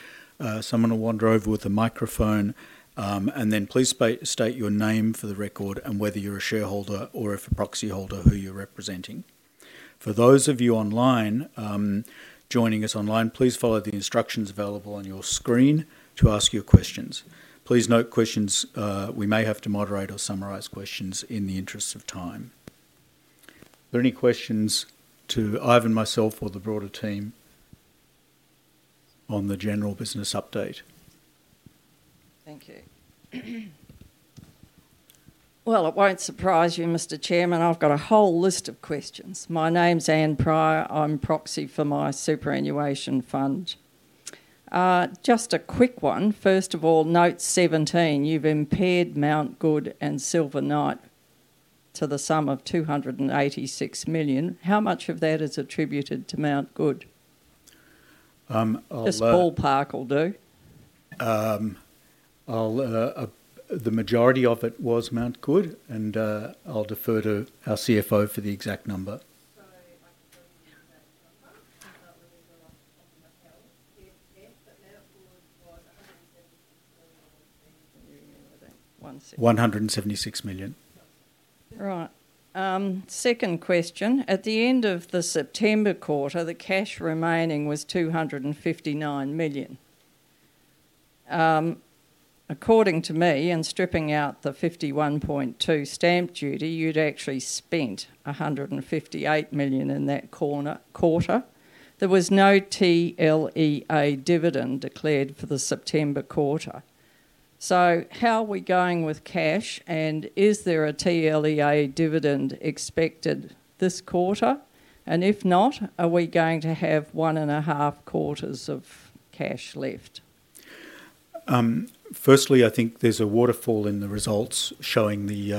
Someone will wander over with a microphone. And then please state your name for the record and whether you're a shareholder or a proxy holder who you're representing. For those of you online joining us online, please follow the instructions available on your screen to ask your questions. Please note, questions we may have to moderate or summarize questions in the interest of time. Are there any questions to Ivan, myself, or the broader team on the general business update? Thank you. Well, it won't surprise you, Mr. Chairman. I've got a whole list of questions. My name's Ann Pryor. I'm proxy for my superannuation fund. Just a quick one. First of all, note 17, you've impaired Mount Goode and Silver Knight to the sum of 286 million. How much of that is attributed to Mount Goode? As ballpark, I'll do. The majority of it was Mount Goode, and I'll defer to our CFO for the exact number. So I can show you the exact number. I can't remember the last number. But Mount Goode was AUD 176 million impairment. 176 million. Right. Second question. At the end of the September quarter, the cash remaining was 259 million. According to me, in stripping out the 51.2 million stamp duty, you'd actually spent 158 million in that quarter. There was no TLEA dividend declared for the September quarter. So how are we going with cash, and is there a TLEA dividend expected this quarter? And if not, are we going to have one and a half quarters of cash left? Firstly, I think there's a waterfall in the results showing the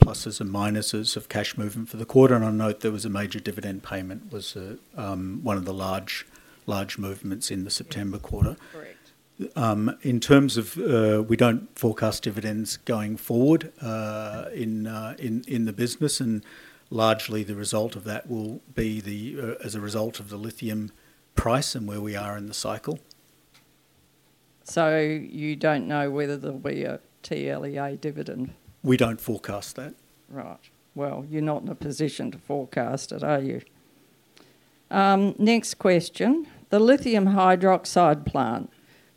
pluses and minuses of cash movement for the quarter. And I note there was a major dividend payment was one of the large movements in the September quarter. In terms of we don't forecast dividends going forward in the business, and largely the result of that will be as a result of the lithium price and where we are in the cycle. So you don't know whether there'll be a TLEA dividend? We don't forecast that. Right. You're not in a position to forecast it, are you? Next question. The lithium hydroxide plant.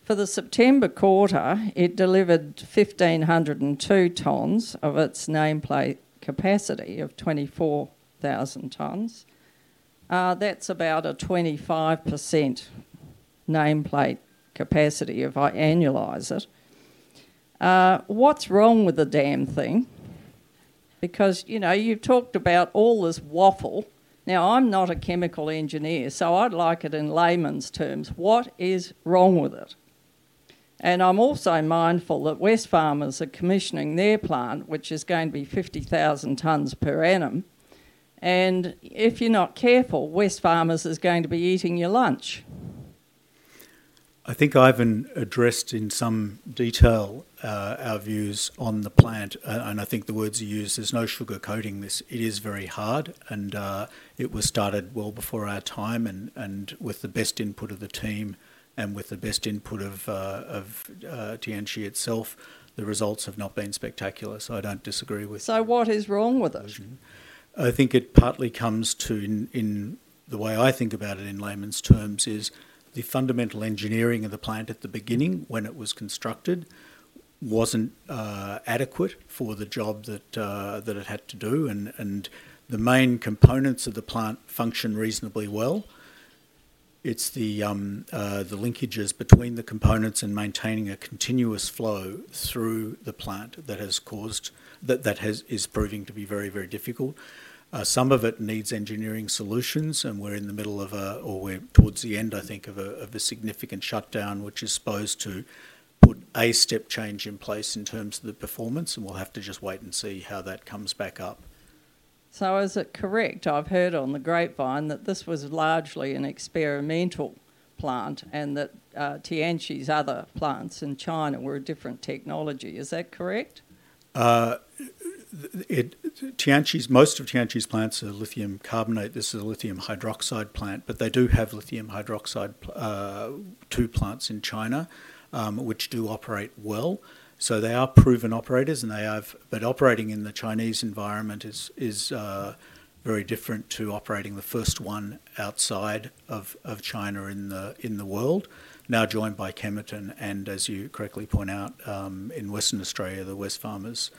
For the September quarter, it delivered 1,502 tons of its nameplate capacity of 24,000 tons. That's about a 25% nameplate capacity if I annualize it. What's wrong with the damn thing? Because you've talked about all this waffle. Now, I'm not a chemical engineer, so I'd like it in layman's terms. What is wrong with it? I'm also mindful that Wesfarmers are commissioning their plant, which is going to be 50,000 tons per annum. If you're not careful, Wesfarmers is going to be eating your lunch. I think Ivan addressed in some detail our views on the plant. I think the words you used, there's no sugar coating this. It is very hard. It was started well before our time. With the best input of the team and with the best input of Tianqi itself, the results have not been spectacular. I don't disagree with it. What is wrong with it? I think it partly comes to, in the way I think about it in layman's terms, is the fundamental engineering of the plant at the beginning when it was constructed wasn't adequate for the job that it had to do. The main components of the plant function reasonably well. It's the linkages between the components and maintaining a continuous flow through the plant that is proving to be very, very difficult. Some of it needs engineering solutions, and we're in the middle of a, or we're towards the end, I think, of a significant shutdown, which is supposed to put a step change in place in terms of the performance. We'll have to just wait and see how that comes back up. Is it correct? I've heard on the grapevine that this was largely an experimental plant and that Tianqi's other plants in China were a different technology. Is that correct? Most of Tianqi's plants are lithium carbonate. This is a lithium hydroxide plant, but they do have lithium hydroxide two plants in China, which do operate well. They are proven operators, and they have, but operating in the Chinese environment is very different to operating the first one outside of China in the world, now joined by Kemerton. As you correctly point out, in Western Australia, the Wesfarmers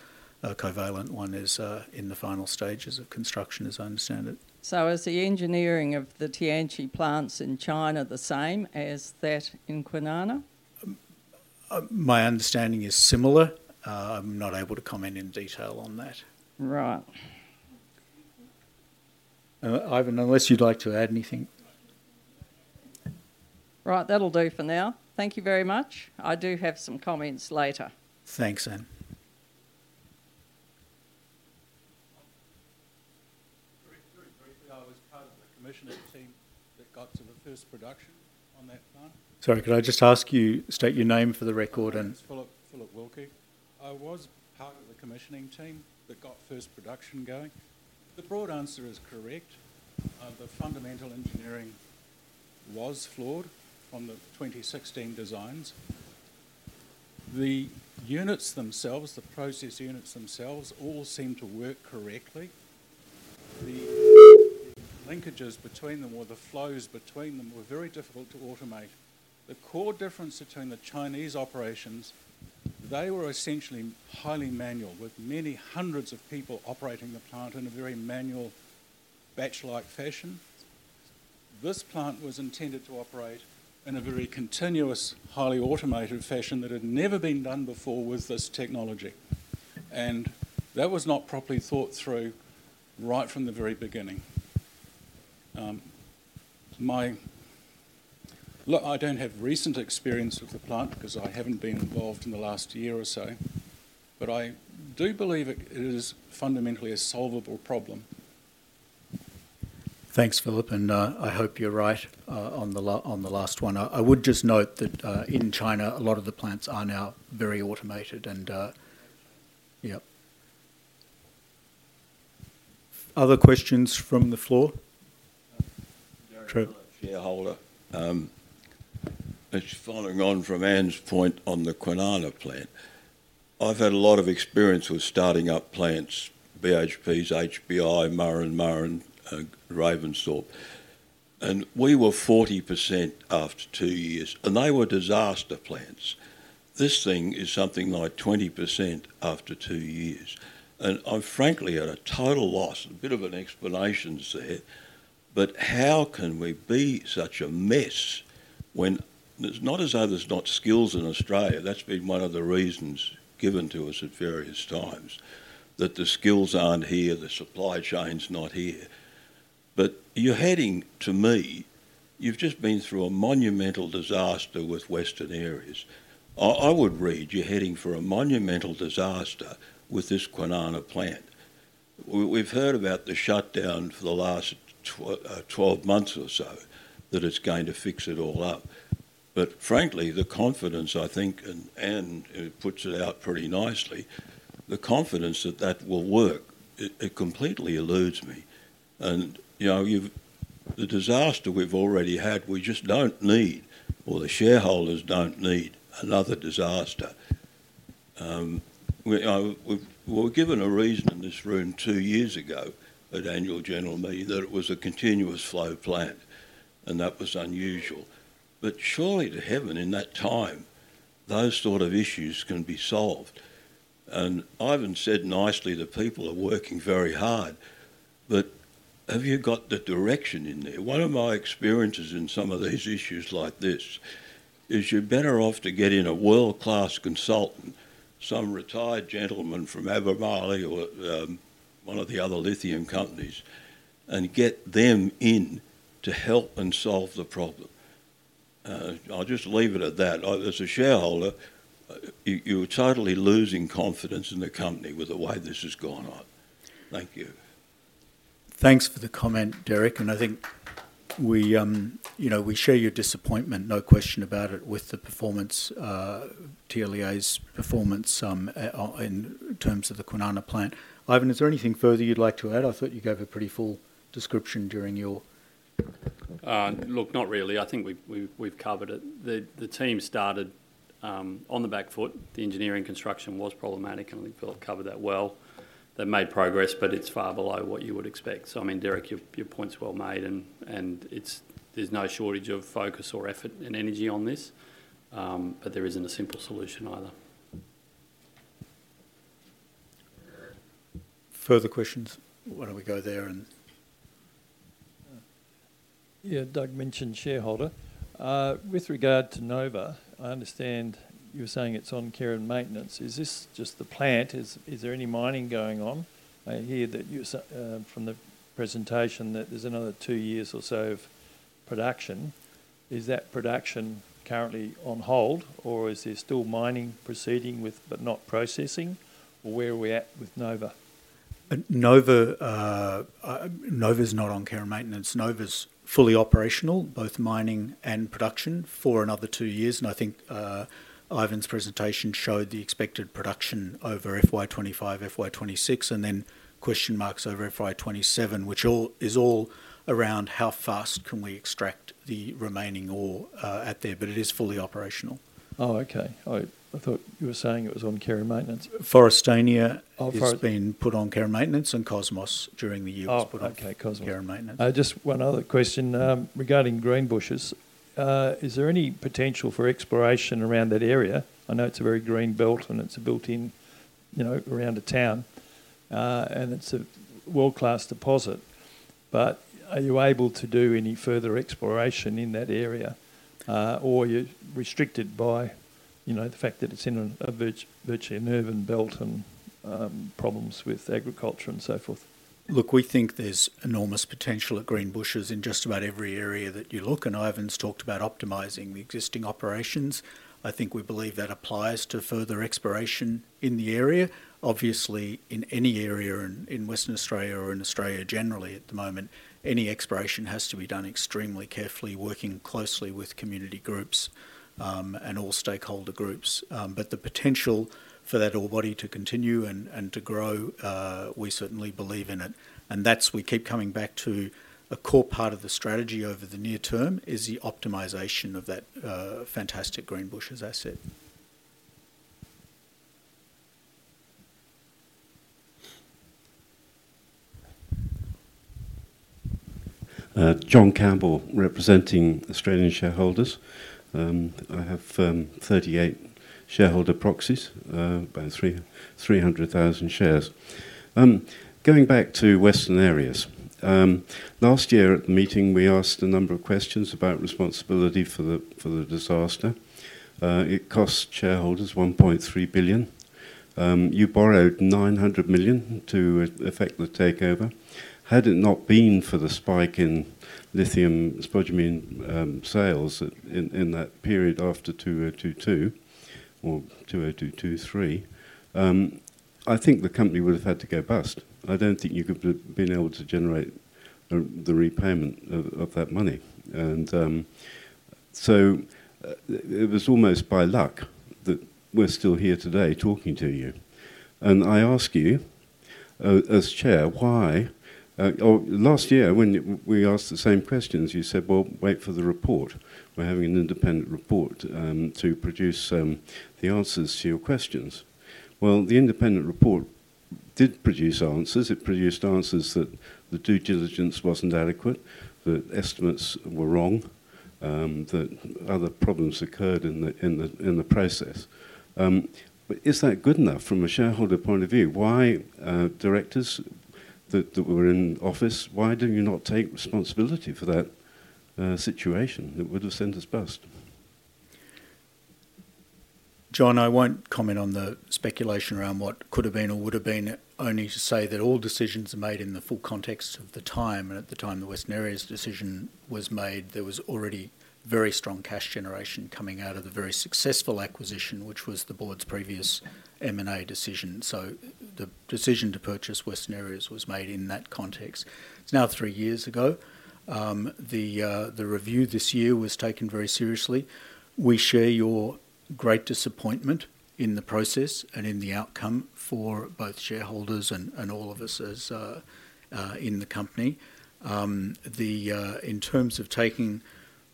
Covalent one is in the final stages of construction, as I understand it. Is the engineering of the Tianqi plants in China the same as that in Kwinana? My understanding is similar. I'm not able to comment in detail on that. Right. Ivan, unless you'd like to add anything. Right. That'll do for now. Thank you very much. I do have some comments later. Thanks, Ann. Very briefly, I was part of the commissioning team that got to the first production on that plant. Sorry, could I just ask you to state your name for the record? It's Philip Wilkie. I was part of the commissioning team that got first production going. The broad answer is correct. The fundamental engineering was flawed on the 2016 designs. The units themselves, the process units themselves, all seem to work correctly. The linkages between them or the flows between them were very difficult to automate. The core difference between the Chinese operations, they were essentially highly manual with many hundreds of people operating the plant in a very manual batch-like fashion. This plant was intended to operate in a very continuous, highly automated fashion that had never been done before with this technology. That was not properly thought through right from the very beginning. I don't have recent experience with the plant because I haven't been involved in the last year or so, but I do believe it is fundamentally a solvable problem. Thanks, Philip, and I hope you're right on the last one. I would just note that in China, a lot of the plants are now very automated and yeah. Other questions from the floor? Jared Miller, shareholder. Just following on from Ann's point on the Kwinana plant, I've had a lot of experience with starting up plants, BHPs, HBI, Murrin Murrin, Ravensthorpe. We were 40% after two years, and they were disaster plants. This thing is something like 20% after two years. And I'm frankly at a total loss. A bit of an explanation is there, but how can we be such a mess when there's not as though there's not skills in Australia? That's been one of the reasons given to us at various times that the skills aren't here, the supply chain's not here. But you're heading to me, you've just been through a monumental disaster with Western Areas. I would read you're heading for a monumental disaster with this Kwinana plant. We've heard about the shutdown for the last 12 months or so that it's going to fix it all up. But frankly, the confidence, I think, and Ann puts it out pretty nicely, the confidence that that will work, it completely eludes me. And the disaster we've already had, we just don't need, or the shareholders don't need another disaster. We were given a reason in this room two years ago at the Annual General Meeting that it was a continuous flow plant, and that was unusual. But surely to heaven in that time, those sort of issues can be solved. And Ivan said nicely, the people are working very hard, but have you got the direction in there? One of my experiences in some of these issues like this is you're better off to get in a world-class consultant, some retired gentleman from Albemarle or one of the other lithium companies, and get them in to help and solve the problem. I'll just leave it at that. As a shareholder, you're totally losing confidence in the company with the way this has gone on. Thank you. Thanks for the comment, Jared. And I think we share your disappointment, no question about it, with the performance, TLEA's performance in terms of the Kwinana plant. Ivan, is there anything further you'd like to add? I thought you gave a pretty full description during your. Look, not really. I think we've covered it. The team started on the back foot. The engineering construction was problematic, and I think Philip covered that well. They've made progress, but it's far below what you would expect. So I mean, Jared, your point's well made, and there's no shortage of focus or effort and energy on this, but there isn't a simple solution either. Further questions? Why don't we go there and. Yeah, Doug mentioned shareholder. With regard to Nova, I understand you're saying it's on care and maintenance. Is this just the plant? Is there any mining going on? I hear that from the presentation that there's another two years or so of production. Is that production currently on hold, or is there still mining proceeding with but not processing, or where are we at with Nova? Nova's not on care and maintenance. Nova's fully operational, both mining and production for another two years, and I think Ivan's presentation showed the expected production over FY25, FY26, and then question marks over FY27, which is all around how fast can we extract the remaining ore at there, but it is fully operational. Oh, okay. I thought you were saying it was on care and maintenance. Forrestania has been put on care and maintenance, and Cosmos during the year was put on care and maintenance. Okay, Cosmos. Just one other question regarding Greenbushes. Is there any potential for exploration around that area? I know it's a very green belt and it's built in around the town, and it's a world-class deposit, but are you able to do any further exploration in that area, or are you restricted by the fact that it's in virtually an urban belt and problems with agriculture and so forth? Look, we think there's enormous potential at Greenbushes in just about every area that you look. Ivan's talked about optimizing the existing operations. I think we believe that applies to further exploration in the area. Obviously, in any area in Western Australia or in Australia generally at the moment, any exploration has to be done extremely carefully, working closely with community groups and all stakeholder groups. The potential for that ore body to continue and to grow, we certainly believe in it. And that's why we keep coming back to a core part of the strategy over the near term is the optimization of that fantastic Greenbushes asset. John Campbell, representing Australian Shareholders. I have 38 shareholder proxies, about 300,000 shares. Going back to Western Areas, last year at the meeting, we asked a number of questions about responsibility for the disaster. It cost shareholders 1.3 billion. You borrowed 900 million to effect the takeover. Had it not been for the spike in lithium spodumene sales in that period after 2022 or 2023, I think the company would have had to go bust. I don't think you could have been able to generate the repayment of that money. And so it was almost by luck that we're still here today talking to you. I ask you as chair, why last year when we asked the same questions, you said, "Well, wait for the report. We're having an independent report to produce the answers to your questions." Well, the independent report did produce answers. It produced answers that the due diligence wasn't adequate, that estimates were wrong, that other problems occurred in the process. But is that good enough from a shareholder point of view? Why directors that were in office, why didn't you not take responsibility for that situation that would have sent us bust? John, I won't comment on the speculation around what could have been or would have been, only to say that all decisions are made in the full context of the time. And at the time the Western Areas decision was made, there was already very strong cash generation coming out of the very successful acquisition, which was the board's previous M&A decision. So the decision to purchase Western Areas was made in that context. It's now three years ago. The review this year was taken very seriously. We share your great disappointment in the process and in the outcome for both shareholders and all of us in the company. In terms of taking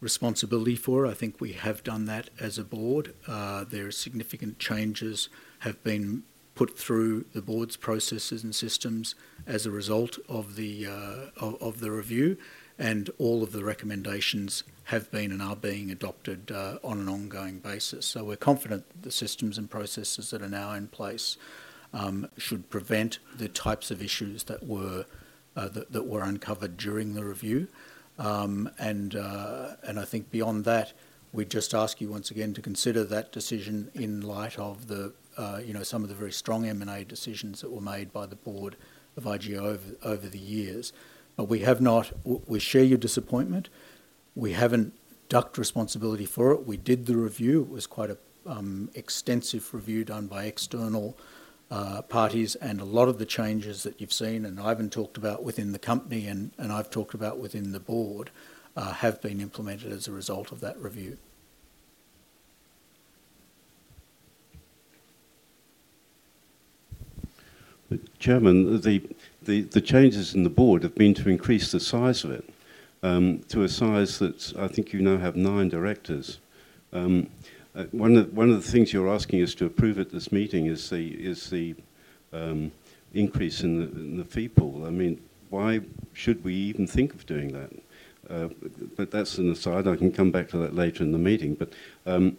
responsibility for it, I think we have done that as a board. There are significant changes that have been put through the board's processes and systems as a result of the review, and all of the recommendations have been and are being adopted on an ongoing basis. So we're confident that the systems and processes that are now in place should prevent the types of issues that were uncovered during the review, and I think beyond that, we just ask you once again to consider that decision in light of some of the very strong M&A decisions that were made by the board of IGO over the years, but we share your disappointment. We haven't ducked responsibility for it. We did the review. It was quite an extensive review done by external parties, and a lot of the changes that you've seen and Ivan talked about within the company and I've talked about within the board have been implemented as a result of that review. Chairman, the changes in the board have been to increase the size of it to a size that I think you now have nine directors. One of the things you're asking us to approve at this meeting is the increase in the fee pool. I mean, why should we even think of doing that? But that's an aside. I can come back to that later in the meeting. But I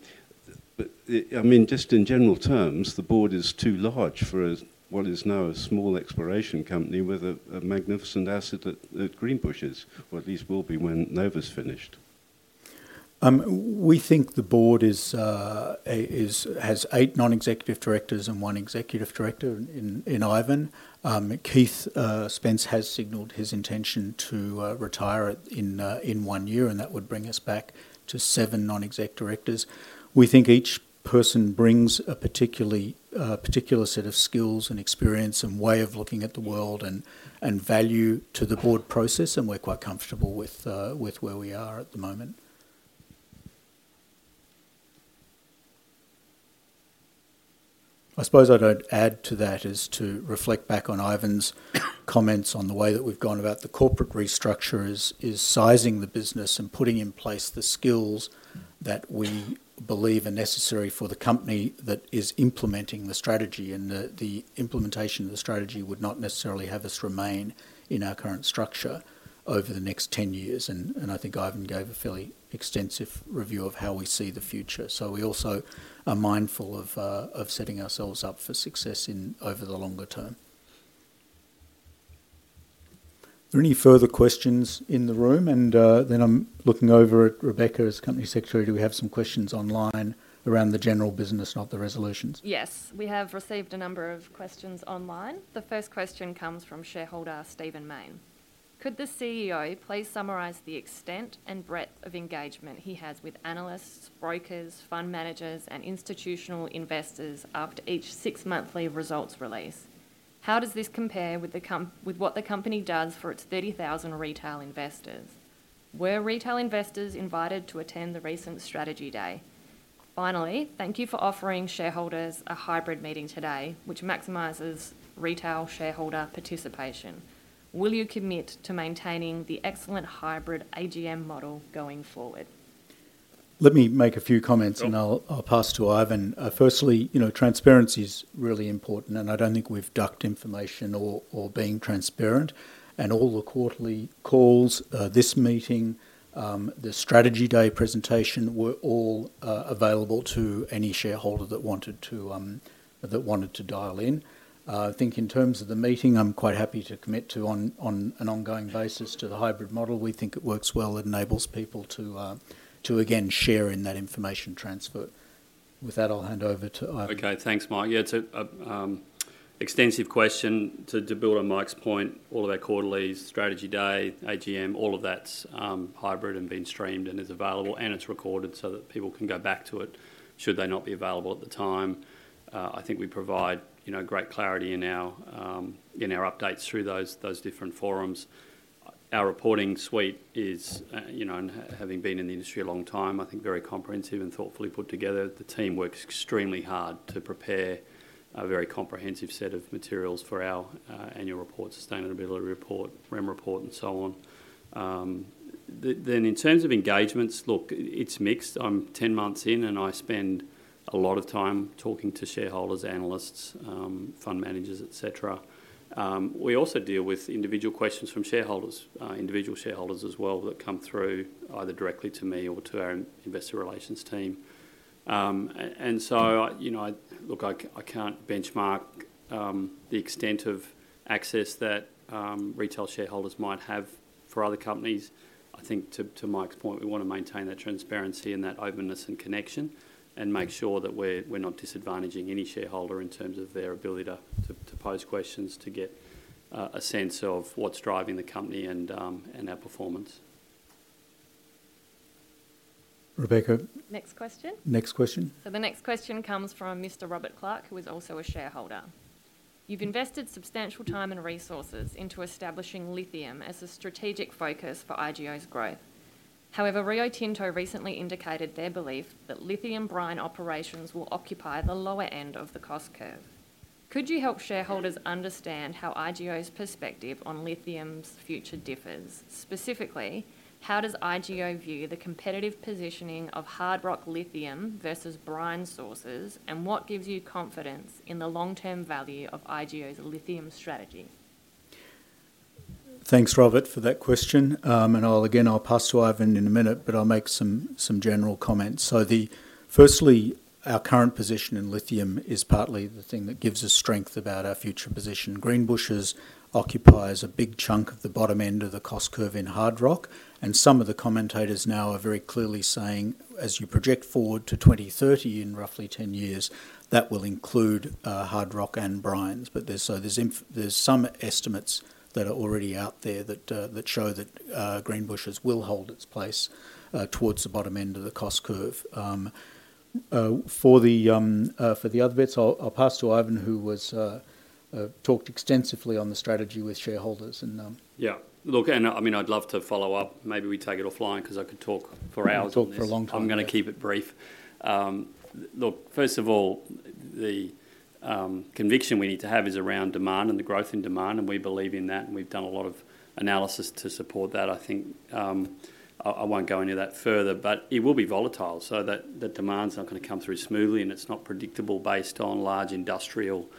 mean, just in general terms, the board is too large for what is now a small exploration company with a magnificent asset at Greenbushes, or at least will be when Nova's finished. We think the board has eight Non-Executive Directors and one executive director in Ivan. Keith Spence has signaled his intention to retire in one year, and that would bring us back to seven non-exec directors. We think each person brings a particular set of skills and experience and way of looking at the world and value to the board process, and we're quite comfortable with where we are at the moment. I suppose I'd add to that as to reflect back on Ivan's comments on the way that we've gone about the corporate restructure is sizing the business and putting in place the skills that we believe are necessary for the company that is implementing the strategy. And the implementation of the strategy would not necessarily have us remain in our current structure over the next 10 years. And I think Ivan gave a fairly extensive review of how we see the future. So we also are mindful of setting ourselves up for success over the longer term. Are there any further questions in the room? And then I'm looking over at Rebecca as Company Secretary. Do we have some questions online around the general business, not the resolutions? Yes, we have received a number of questions online. The first question comes from shareholder Stephen Mayne. Could the CEO please summarize the extent and breadth of engagement he has with analysts, brokers, fund managers, and institutional investors after each six-monthly results release? How does this compare with what the company does for its 30,000 retail investors? Were retail investors invited to attend the recent strategy day? Finally, thank you for offering shareholders a hybrid meeting today, which maximizes retail shareholder participation. Will you commit to maintaining the excellent hybrid AGM model going forward? Let me make a few comments, and I'll pass to Ivan. Firstly, transparency is really important, and I don't think we've ducked information or been transparent, and all the quarterly calls, this meeting, the strategy day presentation were all available to any shareholder that wanted to dial in. I think in terms of the meeting, I'm quite happy to commit to on an ongoing basis to the hybrid model. We think it works well. It enables people to, again, share in that information transfer. With that, I'll hand over to Ivan. Okay, thanks, Mike. Yeah, it's an extensive question to build on Mike's point. All of our quarterly strategy day, AGM, all of that's hybrid and being streamed and is available, and it's recorded so that people can go back to it should they not be available at the time. I think we provide great clarity in our updates through those different forums. Our reporting suite is, having been in the industry a long time, I think very comprehensive and thoughtfully put together. The team works extremely hard to prepare a very comprehensive set of materials for our annual report, sustainability report, REM report, and so on. Then in terms of engagements, look, it's mixed. I'm 10 months in, and I spend a lot of time talking to shareholders, analysts, fund managers, etc. We also deal with individual questions from individual shareholders as well that come through either directly to me or to our investor relations team. And so, look, I can't benchmark the extent of access that retail shareholders might have for other companies. I think to Mike's point, we want to maintain that transparency and that openness and connection and make sure that we're not disadvantaging any shareholder in terms of their ability to pose questions, to get a sense of what's driving the company and our performance. Rebecca. Next question. Next question. So the next question comes from Mr. Robert Clark, who is also a shareholder. You've invested substantial time and resources into establishing lithium as a strategic focus for IGO's growth. However, Rio Tinto recently indicated their belief that lithium brine operations will occupy the lower end of the cost curve. Could you help shareholders understand how IGO's perspective on lithium's future differs? Specifically, how does IGO view the competitive positioning of hard rock lithium versus brine sources, and what gives you confidence in the long-term value of IGO's lithium strategy? Thanks, Robert, for that question. And again, I'll pass to Ivan in a minute, but I'll make some general comments. So firstly, our current position in lithium is partly the thing that gives us strength about our future position. Greenbushes occupies a big chunk of the bottom end of the cost curve in hard rock. And some of the commentators now are very clearly saying, as you project forward to 2030 in roughly 10 years, that will include hard rock and brines. So there's some estimates that are already out there that show that Greenbushes will hold its place towards the bottom end of the cost curve. For the other bits, I'll pass to Ivan, who talked extensively on the strategy with shareholders. Yeah. Look, and I mean, I'd love to follow up. Maybe we take it offline because I could talk for hours. I'll talk for a long time. I'm going to keep it brief. Look, first of all, the conviction we need to have is around demand and the growth in demand, and we believe in that. And we've done a lot of analysis to support that. I think I won't go into that further, but it will be volatile. So the demand's not going to come through smoothly, and it's not predictable based on large industrial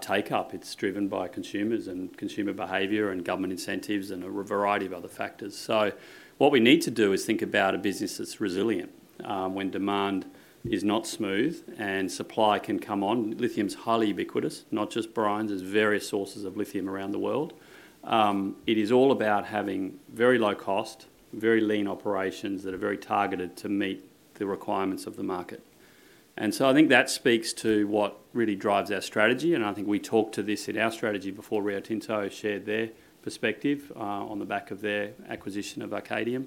take-up. It's driven by consumers and consumer behavior and government incentives and a variety of other factors. So what we need to do is think about a business that's resilient when demand is not smooth and supply can come on. Lithium's highly ubiquitous, not just brines. There's various sources of lithium around the world. It is all about having very low cost, very lean operations that are very targeted to meet the requirements of the market. And so I think that speaks to what really drives our strategy. And I think we talked to this in our strategy before. Rio Tinto shared their perspective on the back of their acquisition of Arcadium.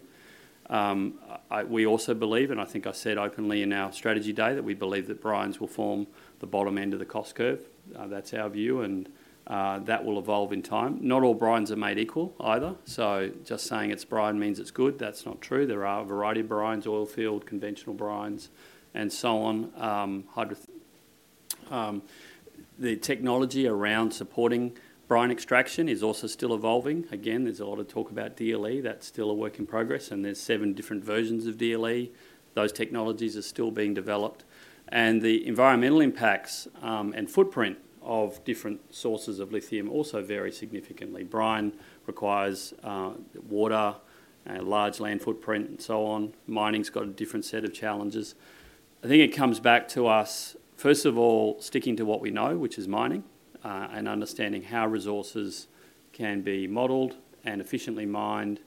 We also believe, and I think I said openly in our strategy day, that we believe that brines will form the bottom end of the cost curve. That's our view, and that will evolve in time. Not all brines are made equal either. So just saying it's brine means it's good, that's not true. There are a variety of brines, oilfield, conventional brines, and so on. The technology around supporting brine extraction is also still evolving. Again, there's a lot of talk about DLE. That's still a work in progress, and there's seven different versions of DLE. Those technologies are still being developed, and the environmental impacts and footprint of different sources of lithium also vary significantly. Brine requires water, a large land footprint, and so on. Mining's got a different set of challenges. I think it comes back to us, first of all, sticking to what we know, which is mining and understanding how resources can be modelled and efficiently mined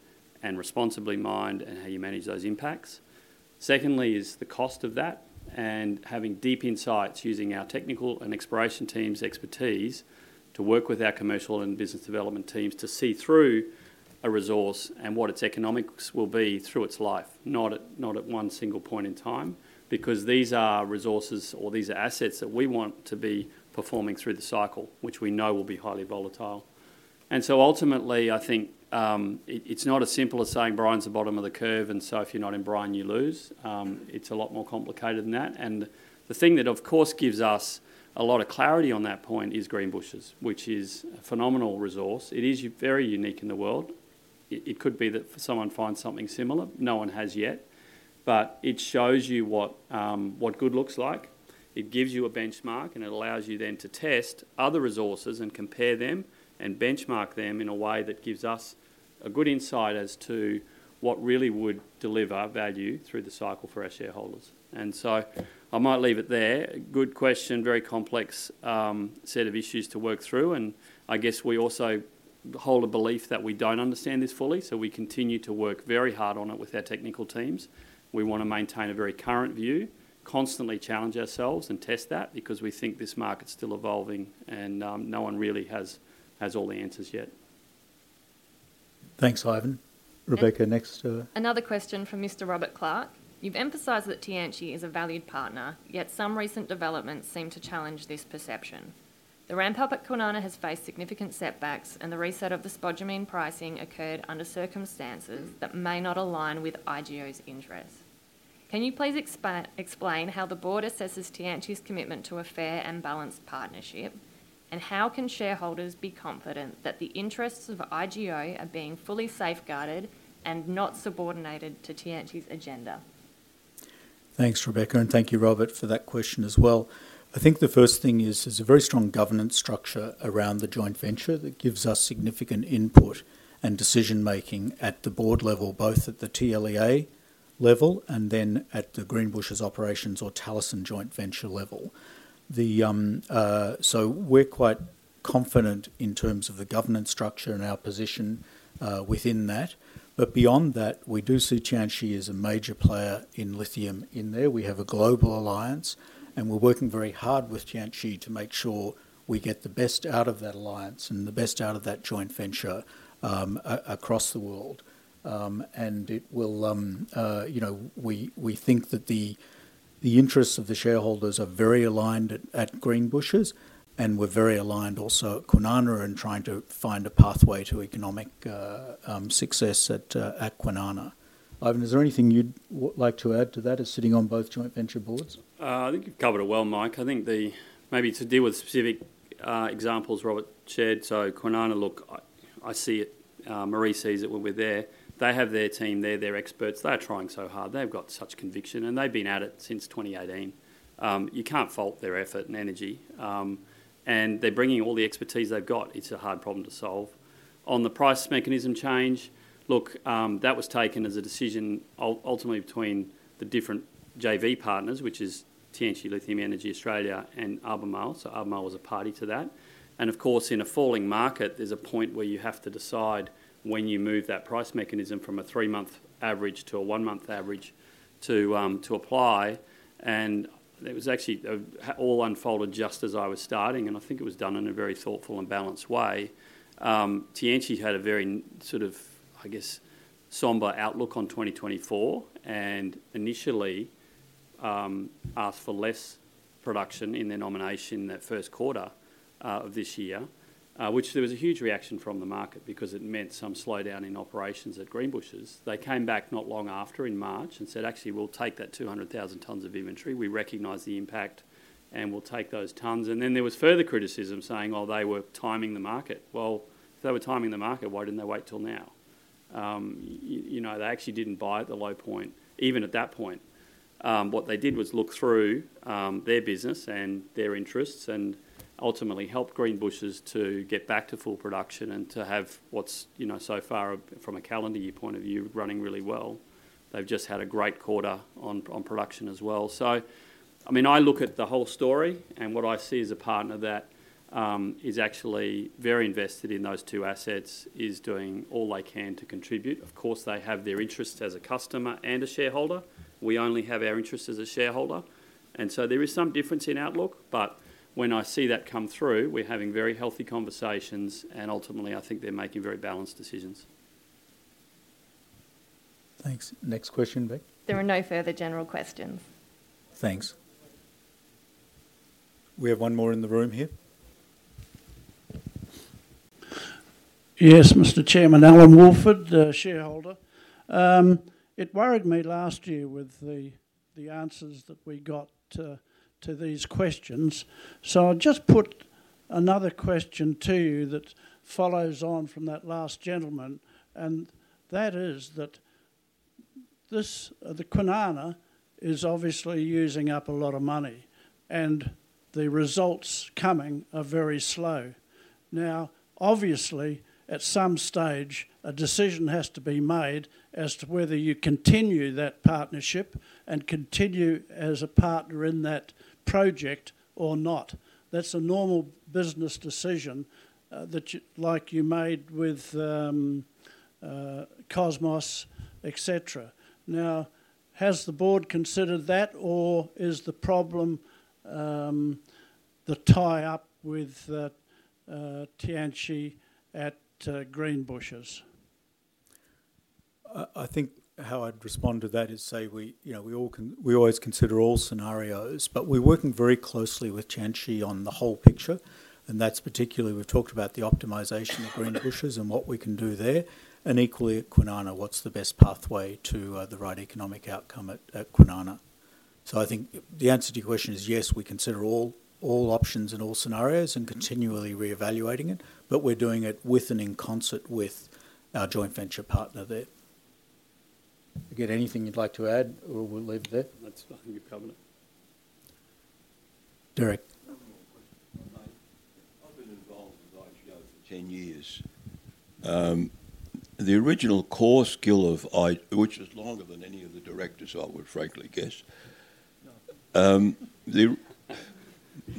and responsibly mined and how you manage those impacts. Secondly, is the cost of that and having deep insights using our technical and exploration teams' expertise to work with our commercial and business development teams to see through a resource and what its economics will be through its life, not at one single point in time, because these are resources or these are assets that we want to be performing through the cycle, which we know will be highly volatile. And so ultimately, I think it's not as simple as saying brine's the bottom of the curve, and so if you're not in brine, you lose. It's a lot more complicated than that. And the thing that, of course, gives us a lot of clarity on that point is Greenbushes, which is a phenomenal resource. It is very unique in the world. It could be that someone finds something similar. No one has yet. But it shows you what good looks like. It gives you a benchmark, and it allows you then to test other resources and compare them and benchmark them in a way that gives us a good insight as to what really would deliver value through the cycle for our shareholders. And so I might leave it there. Good question, very complex set of issues to work through. And I guess we also hold a belief that we don't understand this fully, so we continue to work very hard on it with our technical teams. We want to maintain a very current view, constantly challenge ourselves and test that because we think this market's still evolving, and no one really has all the answers yet. Thanks, Ivan. Rebecca, next. Another question from Mr. Robert Clark. You've emphasised that Tianqi is a valued partner, yet some recent developments seem to challenge this perception. The ramp up at Kwinana has faced significant setbacks, and the reset of the spodumene pricing occurred under circumstances that may not align with IGO's interests. Can you please explain how the board assesses Tianqi's commitment to a fair and balanced partnership, and how can shareholders be confident that the interests of IGO are being fully safeguarded and not subordinated to Tianqi's agenda? Thanks, Rebecca, and thank you, Robert, for that question as well. I think the first thing is there's a very strong governance structure around the joint venture that gives us significant input and decision-making at the board level, both at the TLEA level and then at the Greenbushes operations or Talison joint venture level. So we're quite confident in terms of the governance structure and our position within that. But beyond that, we do see Tianqi as a major player in lithium in there. We have a global alliance, and we're working very hard with Tianqi to make sure we get the best out of that alliance and the best out of that joint venture across the world. And we think that the interests of the shareholders are very aligned at Greenbushes, and we're very aligned also at Kwinana in trying to find a pathway to economic success at Kwinana. Ivan, is there anything you'd like to add to that as sitting on both joint venture boards? I think you've covered it well, Mike. I think maybe to deal with specific examples Robert shared. So Kwinana, look, I see it. Marie sees it when we're there. They have their team there, their experts. They're trying so hard. They've got such conviction, and they've been at it since 2018. You can't fault their effort and energy, and they're bringing all the expertise they've got. It's a hard problem to solve. On the price mechanism change, look, that was taken as a decision ultimately between the different JV partners, which is Tianqi Lithium Energy Australia and Albemarle, so Albemarle was a party to that. And of course, in a falling market, there's a point where you have to decide when you move that price mechanism from a three-month average to a one-month average to apply, and it was actually all unfolded just as I was starting, and I think it was done in a very thoughtful and balanced way. Tianqi had a very sort of, I guess, somber outlook on 2024 and initially asked for less production in their nomination that first quarter of this year, which there was a huge reaction from the market because it meant some slowdown in operations at Greenbushes. They came back not long after in March and said, "Actually, we'll take that 200,000 tonnes of inventory. We recognise the impact, and we'll take those tonnes." And then there was further criticism saying, "Well, they were timing the market." Well, if they were timing the market, why didn't they wait till now? They actually didn't buy at the low point, even at that point. What they did was look through their business and their interests and ultimately helped Greenbushes to get back to full production and to have what's so far, from a calendar year point of view, running really well. They've just had a great quarter on production as well, so I mean, I look at the whole story, and what I see as a partner that is actually very invested in those two assets is doing all they can to contribute. Of course, they have their interests as a customer and a shareholder. We only have our interests as a shareholder, and so there is some difference in outlook, but when I see that come through, we're having very healthy conversations, and ultimately, I think they're making very balanced decisions. Thanks. Next question, Beck. There are no further general questions. Thanks. We have one more in the room here. Yes, Mr. Chairman, Alan Woolford, shareholder. It worried me last year with the answers that we got to these questions. So I'll just put another question to you that follows on from that last gentleman, and that is that the Kwinana is obviously using up a lot of money, and the results coming are very slow. Now, obviously, at some stage, a decision has to be made as to whether you continue that partnership and continue as a partner in that project or not. That's a normal business decision like you made with Cosmos, etc. Now, has the board considered that, or is the problem the tie-up with Tianqi at Greenbushes? I think how I'd respond to that is say we always consider all scenarios, but we're working very closely with Tianqi on the whole picture. And that's particularly we've talked about the optimization of Greenbushes and what we can do there. And equally at Kwinana, what's the best pathway to the right economic outcome at Kwinana? I think the answer to your question is yes. We consider all options and all scenarios and continually re-evaluating it, but we're doing it with and in concert with our joint venture partner there. Got anything you'd like to add, or we'll leave it there. That's fine. You've covered it. Jared. I've been involved with IGO for 10 years. The original core skill of which is longer than any of the directors, I would frankly guess.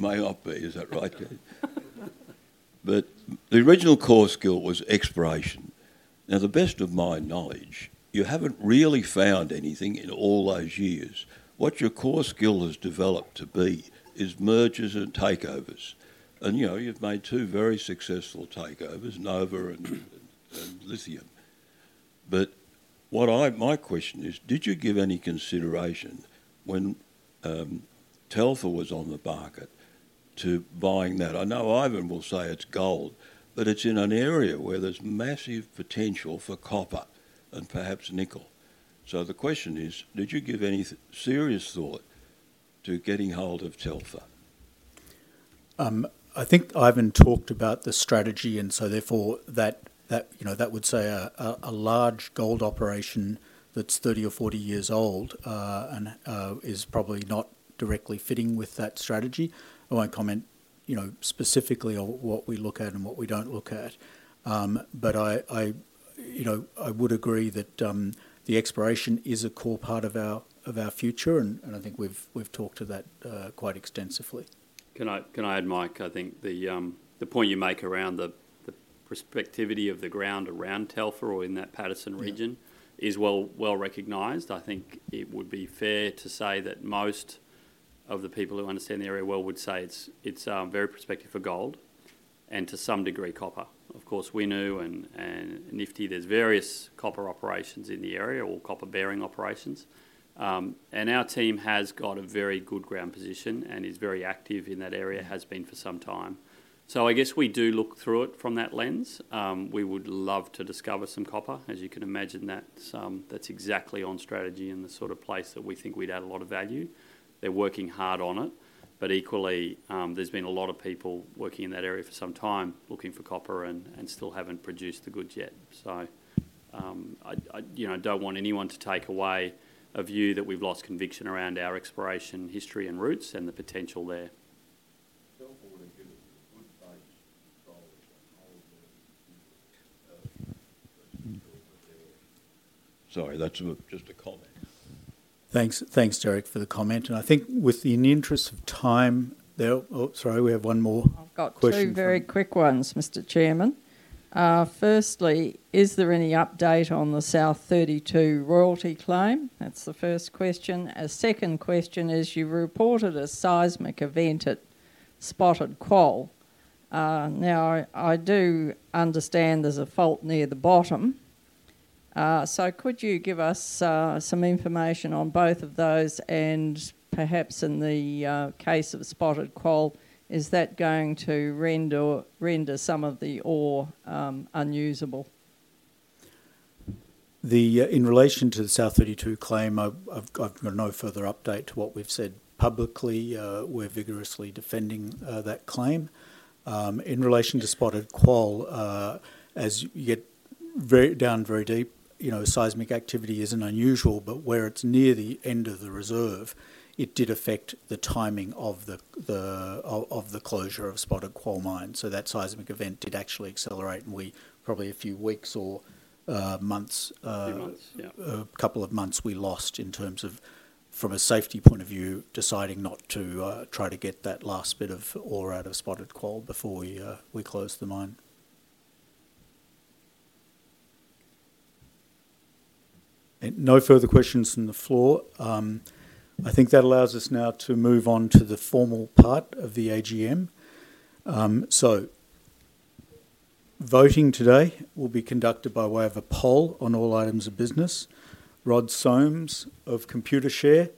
May not be, is that right? But the original core skill was exploration. Now, to the best of my knowledge, you haven't really found anything in all those years. What your core skill has developed to be is mergers and takeovers. And you've made two very successful takeovers, Nova and Lithium. But my question is, did you give any consideration when Telfer was on the market to buying that? I know Ivan will say it's gold, but it's in an area where there's massive potential for copper and perhaps nickel. So the question is, did you give any serious thought to getting hold of Telfer? I think Ivan talked about the strategy, and so therefore that would say a large gold operation that's 30 or 40 years old and is probably not directly fitting with that strategy. I won't comment specifically on what we look at and what we don't look at. But I would agree that the exploration is a core part of our future, and I think we've talked to that quite extensively. Can I add, Mike, I think the point you make around the prospectivity of the ground around Telfer or in that Paterson region is well recognised. I think it would be fair to say that most of the people who understand the area well would say it's very prospective for gold and to some degree copper. Of course, Winu and Nifty, there's various copper operations in the area, all copper-bearing operations. And our team has got a very good ground position and is very active in that area, has been for some time. So I guess we do look through it from that lens. We would love to discover some copper. As you can imagine, that's exactly on strategy and the sort of place that we think we'd add a lot of value. They're working hard on it, but equally, there's been a lot of people working in that area for some time looking for copper and still haven't produced the goods yet. So I don't want anyone to take away a view that we've lost conviction around our exploration history and roots and the potential there. Telfer would have given good budget control and all of their computers versus Telfer there. Sorry, that's just a comment. Thanks, Jared, for the comment. And I think within the interest of time, sorry, we have one more question. I've got two very quick ones, Mr. Chairman. Firstly, is there any update on the South32 royalty claim? That's the first question. A second question is you reported a seismic event at Spotted Quoll. Now, I do understand there's a fault near the bottom. So could you give us some information on both of those? And perhaps in the case of Spotted Quoll, is that going to render some of the ore unusable? In relation to the South32 claim, I've got no further update to what we've said publicly. We're vigorously defending that claim. In relation to Spotted Quoll, as you get down very deep, seismic activity isn't unusual, but where it's near the end of the reserve, it did affect the timing of the closure of Spotted Quoll mine. So that seismic event did actually accelerate, and we probably a few weeks or months, a couple of months, we lost in terms of, from a safety point of view, deciding not to try to get that last bit of ore out of Spotted Quoll before we closed the mine. No further questions from the floor. I think that allows us now to move on to the formal part of the AGM. So voting today will be conducted by way of a poll on all items of business. Rod Somes of Computershare,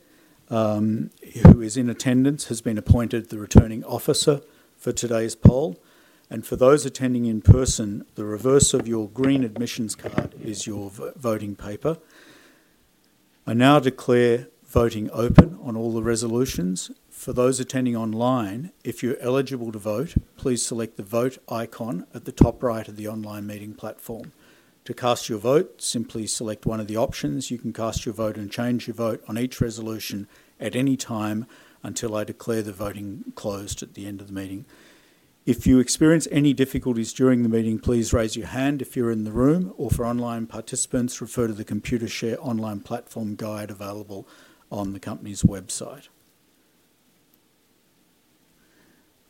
who is in attendance, has been appointed the returning officer for today's poll, and for those attending in person, the reverse of your green admissions card is your voting paper. I now declare voting open on all the resolutions. For those attending online, if you're eligible to vote, please select the vote icon at the top right of the online meeting platform. To cast your vote, simply select one of the options. You can cast your vote and change your vote on each resolution at any time until I declare the voting closed at the end of the meeting. If you experience any difficulties during the meeting, please raise your hand if you're in the room, or for online participants, refer to the Computershare online platform guide available on the company's website.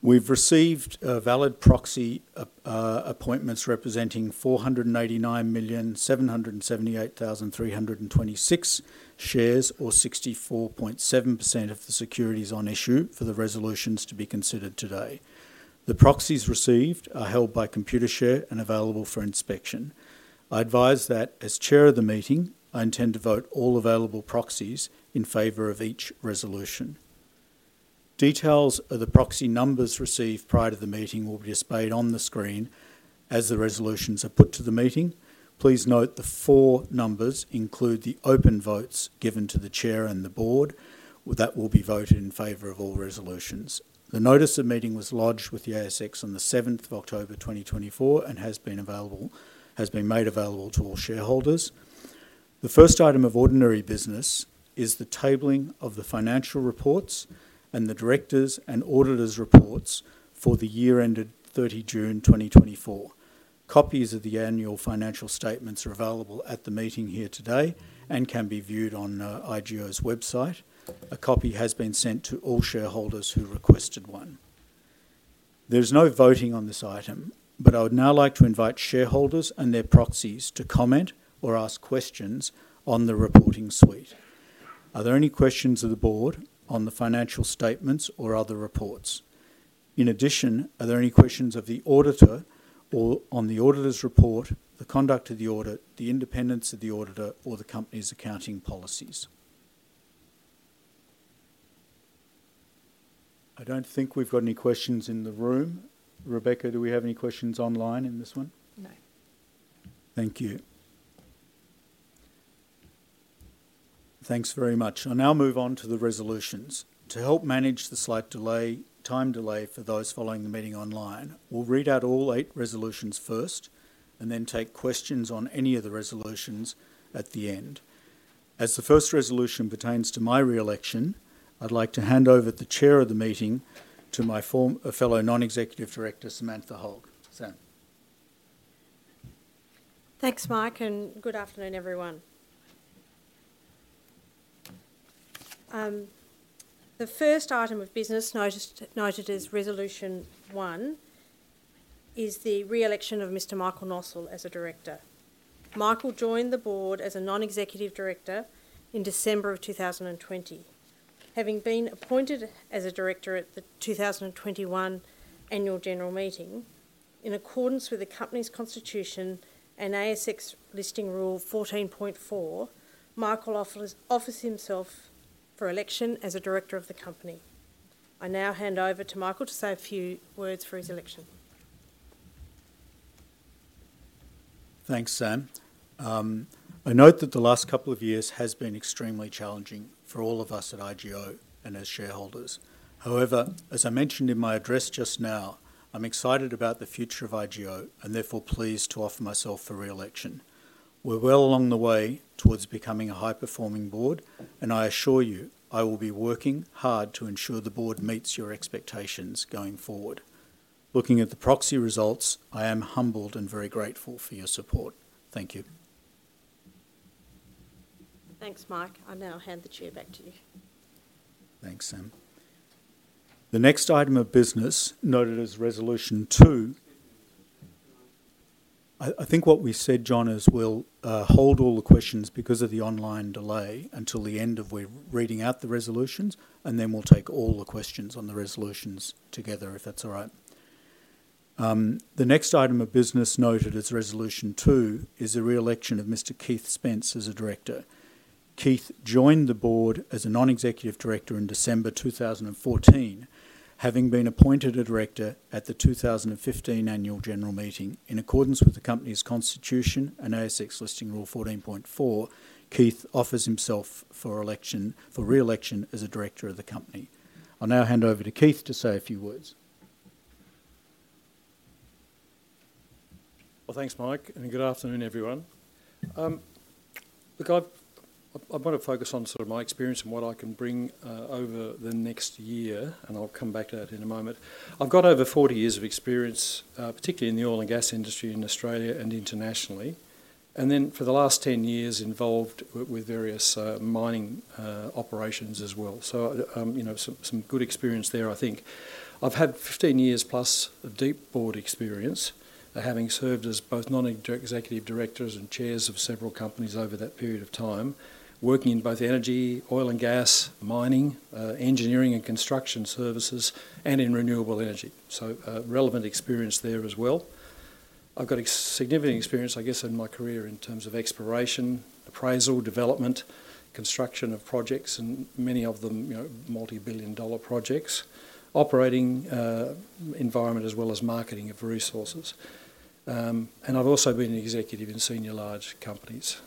We've received valid proxy appointments representing 489,778,326 shares or 64.7% of the securities on issue for the resolutions to be considered today. The proxies received are held by Computershare and available for inspection. I advise that as chair of the meeting, I intend to vote all available proxies in favor of each resolution. Details of the proxy numbers received prior to the meeting will be displayed on the screen as the resolutions are put to the meeting. Please note the four numbers include the open votes given to the chair and the board that will be voted in favor of all resolutions. The notice of meeting was lodged with the ASX on the 7th of October 2024 and has been made available to all shareholders. The first item of ordinary business is the tabling of the financial reports and the directors' and auditors' reports for the year ended 30 June 2024. Copies of the annual financial statements are available at the meeting here today and can be viewed on IGO's website. A copy has been sent to all shareholders who requested one. There's no voting on this item, but I would now like to invite shareholders and their proxies to comment or ask questions on the reporting suite. Are there any questions of the board on the financial statements or other reports? In addition, are there any questions of the auditor on the auditor's report, the conduct of the audit, the independence of the auditor, or the company's accounting policies? I don't think we've got any questions in the room. Rebecca, do we have any questions online in this one? No. Thank you. Thanks very much. I'll now move on to the resolutions. To help manage the slight time delay for those following the meeting online, we'll read out all eight resolutions first and then take questions on any of the resolutions at the end. As the first resolution pertains to my re-election, I'd like to hand over the chair of the meeting to my fellow non-executive director, Samantha Hogg. Sam. Thanks, Mike, and good afternoon, everyone. The first item of business noted as resolution one is the re-election of Mr. Michael Nossal as a director. Michael joined the board as a non-executive director in December of 2020. Having been appointed as a director at the 2021 annual general meeting, in accordance with the company's constitution and ASX listing rule 14.4, Michael offers himself for election as a director of the company. I now hand over to Michael to say a few words for his election. Thanks, Sam. I note that the last couple of years has been extremely challenging for all of us at IGO and as shareholders. However, as I mentioned in my address just now, I'm excited about the future of IGO and therefore pleased to offer myself for re-election. We're well along the way towards becoming a high-performing board, and I assure you I will be working hard to ensure the board meets your expectations going forward. Looking at the proxy results, I am humbled and very grateful for your support. Thank you. Thanks, Mike. I now hand the chair back to you. Thanks, Sam. The next item of business noted as resolution two. I think what we said, John, is we'll hold all the questions because of the online delay until the end of reading out the resolutions, and then we'll take all the questions on the resolutions together, if that's all right. The next item of business noted as resolution two is the re-election of Mr. Keith Spence as a director. Keith joined the board as a non-executive director in December 2014, having been appointed a director at the 2015 annual general meeting. In accordance with the company's constitution and ASX listing rule 14.4, Keith offers himself for re-election as a director of the company. I'll now hand over to Keith to say a few words. Well, thanks, Mike, and good afternoon, everyone. Look, I want to focus on sort of my experience and what I can bring over the next year, and I'll come back to that in a moment. I've got over 40 years of experience, particularly in the oil and gas industry in Australia and internationally, and then for the last 10 years involved with various mining operations as well. So some good experience there, I think. I've had 15 years plus of deep board experience, having served as both Non-Executive Directors and chairs of several companies over that period of time, working in both energy, oil and gas, mining, engineering, and construction services, and in renewable energy. So relevant experience there as well. I've got significant experience, I guess, in my career in terms of exploration, appraisal, development, construction of projects, and many of them multi-billion-dollar projects, operating environment as well as marketing of resources. And I've also been an executive in senior large companies.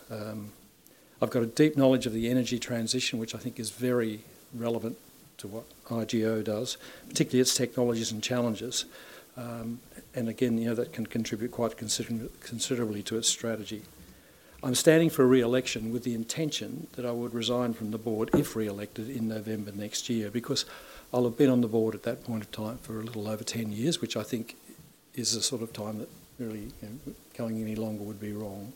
I've got a deep knowledge of the energy transition, which I think is very relevant to what IGO does, particularly its technologies and challenges, and again, that can contribute quite considerably to its strategy. I'm standing for re-election with the intention that I would resign from the board if re-elected in November next year because I'll have been on the board at that point of time for a little over 10 years, which I think is a sort of time that really going any longer would be wrong,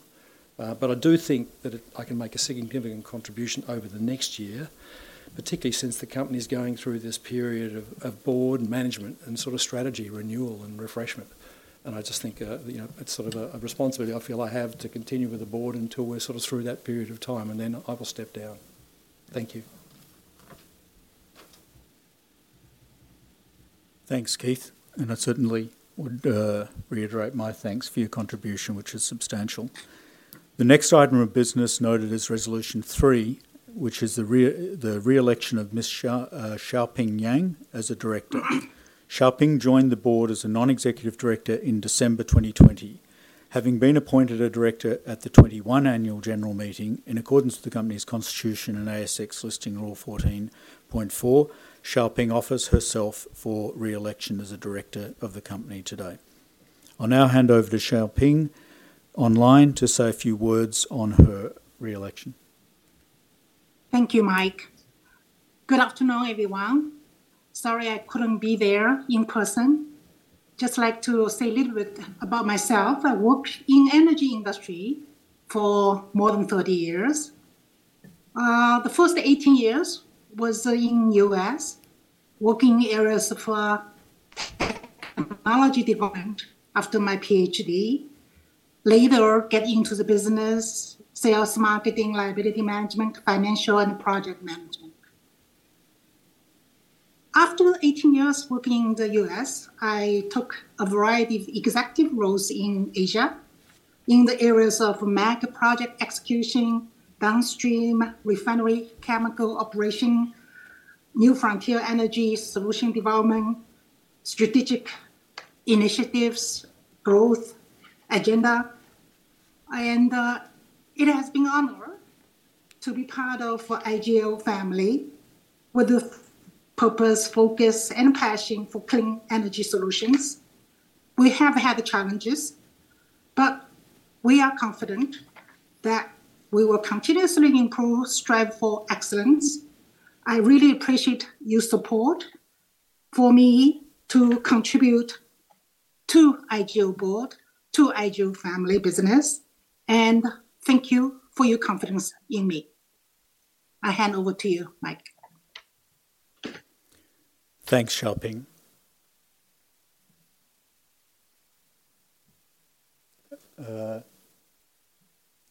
but I do think that I can make a significant contribution over the next year, particularly since the company is going through this period of board management and sort of strategy renewal and refreshment. And I just think it's sort of a responsibility I feel I have to continue with the board until we're sort of through that period of time, and then I will step down. Thank you. Thanks, Keith. And I certainly would reiterate my thanks for your contribution, which is substantial. The next item of business noted as resolution three, which is the re-election of Ms. Xiaoping Yang as a director. Xiaoping joined the board as a non-executive director in December 2020. Having been appointed a director at the 2021 annual general meeting, in accordance with the company's constitution and ASX listing rule 14.4, Xiaoping offers herself for re-election as a director of the company today. I'll now hand over to Xiaoping online to say a few words on her re-election. Thank you, Mike. Good afternoon, everyone. Sorry I couldn't be there in person. Just like to say a little bit about myself. I work in the energy industry for more than 30 years. The first 18 years was in the U.S., working in areas of technology development after my Ph.D. Later, I got into the business, sales, marketing, liability management, financial, and project management. After 18 years working in the U.S., I took a variety of executive roles in Asia in the areas of Major project execution, downstream refinery chemical operation, new frontier energy solution development, strategic initiatives, growth agenda. And it has been an honor to be part of the IGO family with the purpose, focus, and passion for clean energy solutions. We have had challenges, but we are confident that we will continuously improve, strive for excellence. I really appreciate your support for me to contribute to IGO board, to IGO family business, and thank you for your confidence in me. I hand over to you, Mike. Thanks, Xiaoping.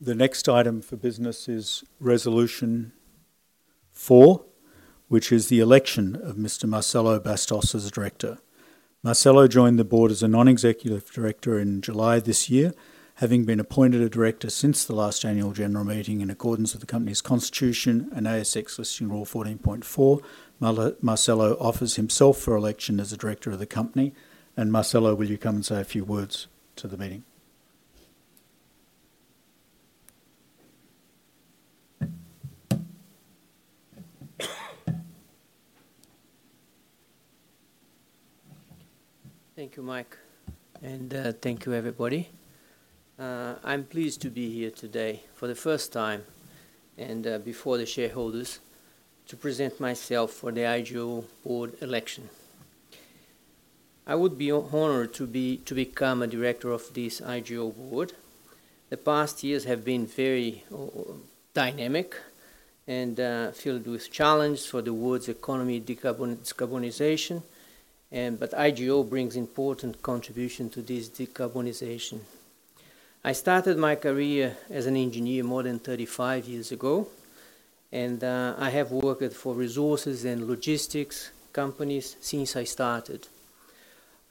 The next item for business is resolution four, which is the election of Mr. Marcelo Bastos as a director. Marcelo joined the board as a non-executive director in July this year, having been appointed a director since the last annual general meeting. In accordance with the company's constitution and ASX listing rule 14.4, Marcelo offers himself for election as a director of the company. And Marcelo, will you come and say a few words to the meeting? Thank you, Mike. And thank you, everybody. I'm pleased to be here today for the first time and before the shareholders to present myself for the IGO board election. I would be honored to become a director of this IGO board. The past years have been very dynamic and filled with challenges for the world's economy, decarbonization, but IGO brings important contributions to this decarbonization. I started my career as an engineer more than 35 years ago, and I have worked for resources and logistics companies since I started.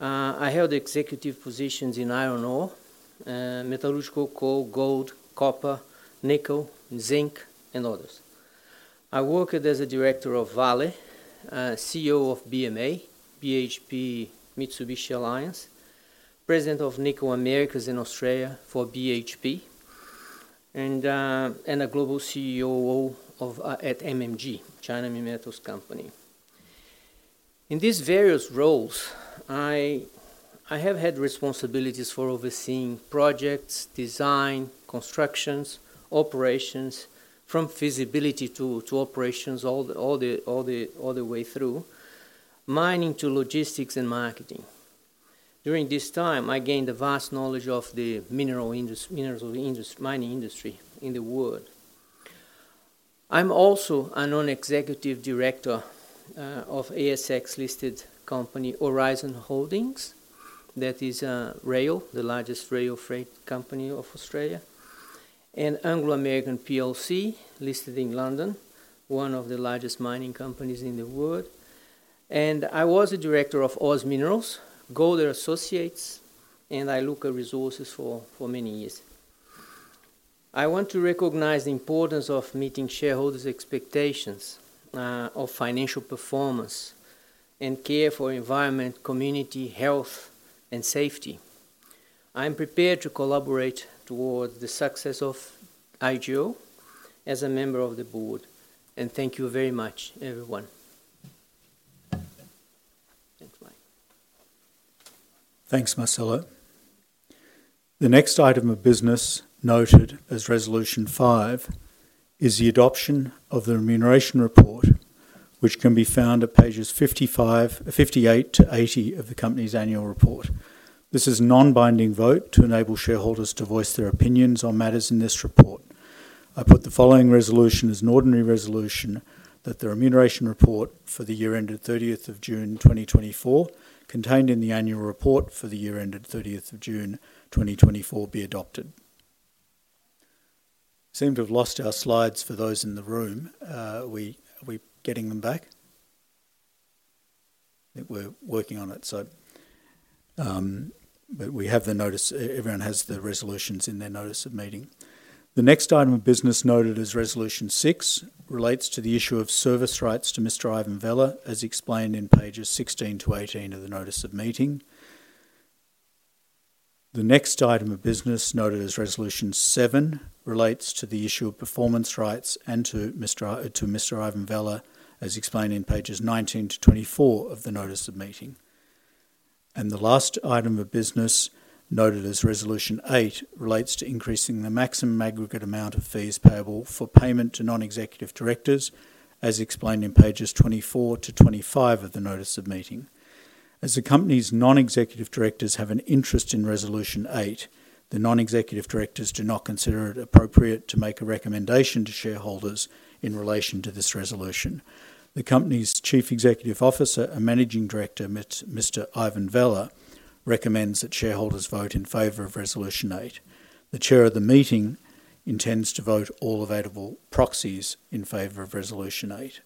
I held executive positions in iron ore, metallurgical coal, gold, copper, nickel, zinc, and others. I worked as a director of Vale, CEO of BMA, BHP Mitsubishi Alliance, president of Nickel Americas in Australia for BHP, and a global CEO at MMG, China Minmetals Corporation. In these various roles, I have had responsibilities for overseeing projects, design, constructions, operations, from feasibility to operations all the way through, mining to logistics and marketing. During this time, I gained a vast knowledge of the mineral mining industry in the world. I'm also a non-executive director of ASX listed company Aurizon Holdings, that is Rail, the largest rail freight company of Australia, and Anglo American PLC listed in London, one of the largest mining companies in the world. And I was a director of Oz Minerals, Golder Associates, and Iluka Resources for many years. I want to recognize the importance of meeting shareholders' expectations of financial performance and care for environment, community, health, and safety. I'm prepared to collaborate towards the success of IGO as a member of the board. And thank you very much, everyone. Thanks, Mike. Thanks, Marcelo. The next item of business noted as resolution five is the adoption of the remuneration report, which can be found at pages 58 to 80 of the company's annual report. This is a non-binding vote to enable shareholders to voice their opinions on matters in this report. I put the following resolution as an ordinary resolution that the remuneration report for the year ended 30th of June 2024 contained in the annual report for the year ended 30th of June 2024 be adopted. Seem to have lost our slides for those in the room. Are we getting them back? I think we're working on it, but we have the notice. Everyone has the resolutions in their notice of meeting. The next item of business noted as resolution six relates to the issue of service rights to Mr. Ivan Vella, as explained in pages 16 to 18 of the notice of meeting. The next item of business noted as resolution seven relates to the issue of performance rights and to Mr. Ivan Vella, as explained in pages 19 to 24 of the notice of meeting. And the last item of business noted as resolution eight relates to increasing the maximum aggregate amount of fees payable for payment to Non-Executive Directors, as explained in pages 24 to 25 of the notice of meeting. As the company's Non-Executive Directors have an interest in resolution eight, the Non-Executive Directors do not consider it appropriate to make a recommendation to shareholders in relation to this resolution. The company's Chief Executive Officer and Managing Director, Mr. Ivan Vella, recommends that shareholders vote in favor of resolution eight. The chair of the meeting intends to vote all available proxies in favor of resolution eight.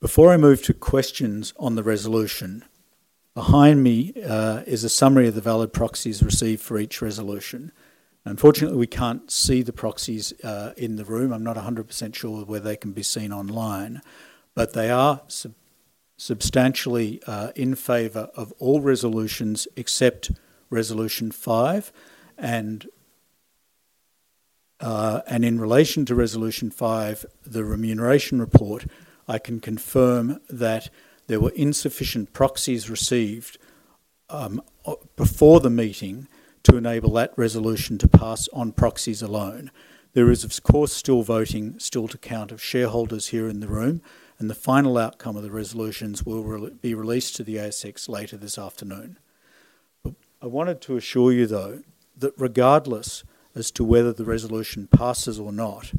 Before I move to questions on the resolution, behind me is a summary of the valid proxies received for each resolution. Unfortunately, we can't see the proxies in the room. I'm not 100% sure where they can be seen online, but they are substantially in favor of all resolutions except resolution five. And in relation to resolution five, the remuneration report, I can confirm that there were insufficient proxies received before the meeting to enable that resolution to pass on proxies alone. There is, of course, still voting, still to count of shareholders here in the room, and the final outcome of the resolutions will be released to the ASX later this afternoon. I wanted to assure you, though, that regardless as to whether the resolution passes or not,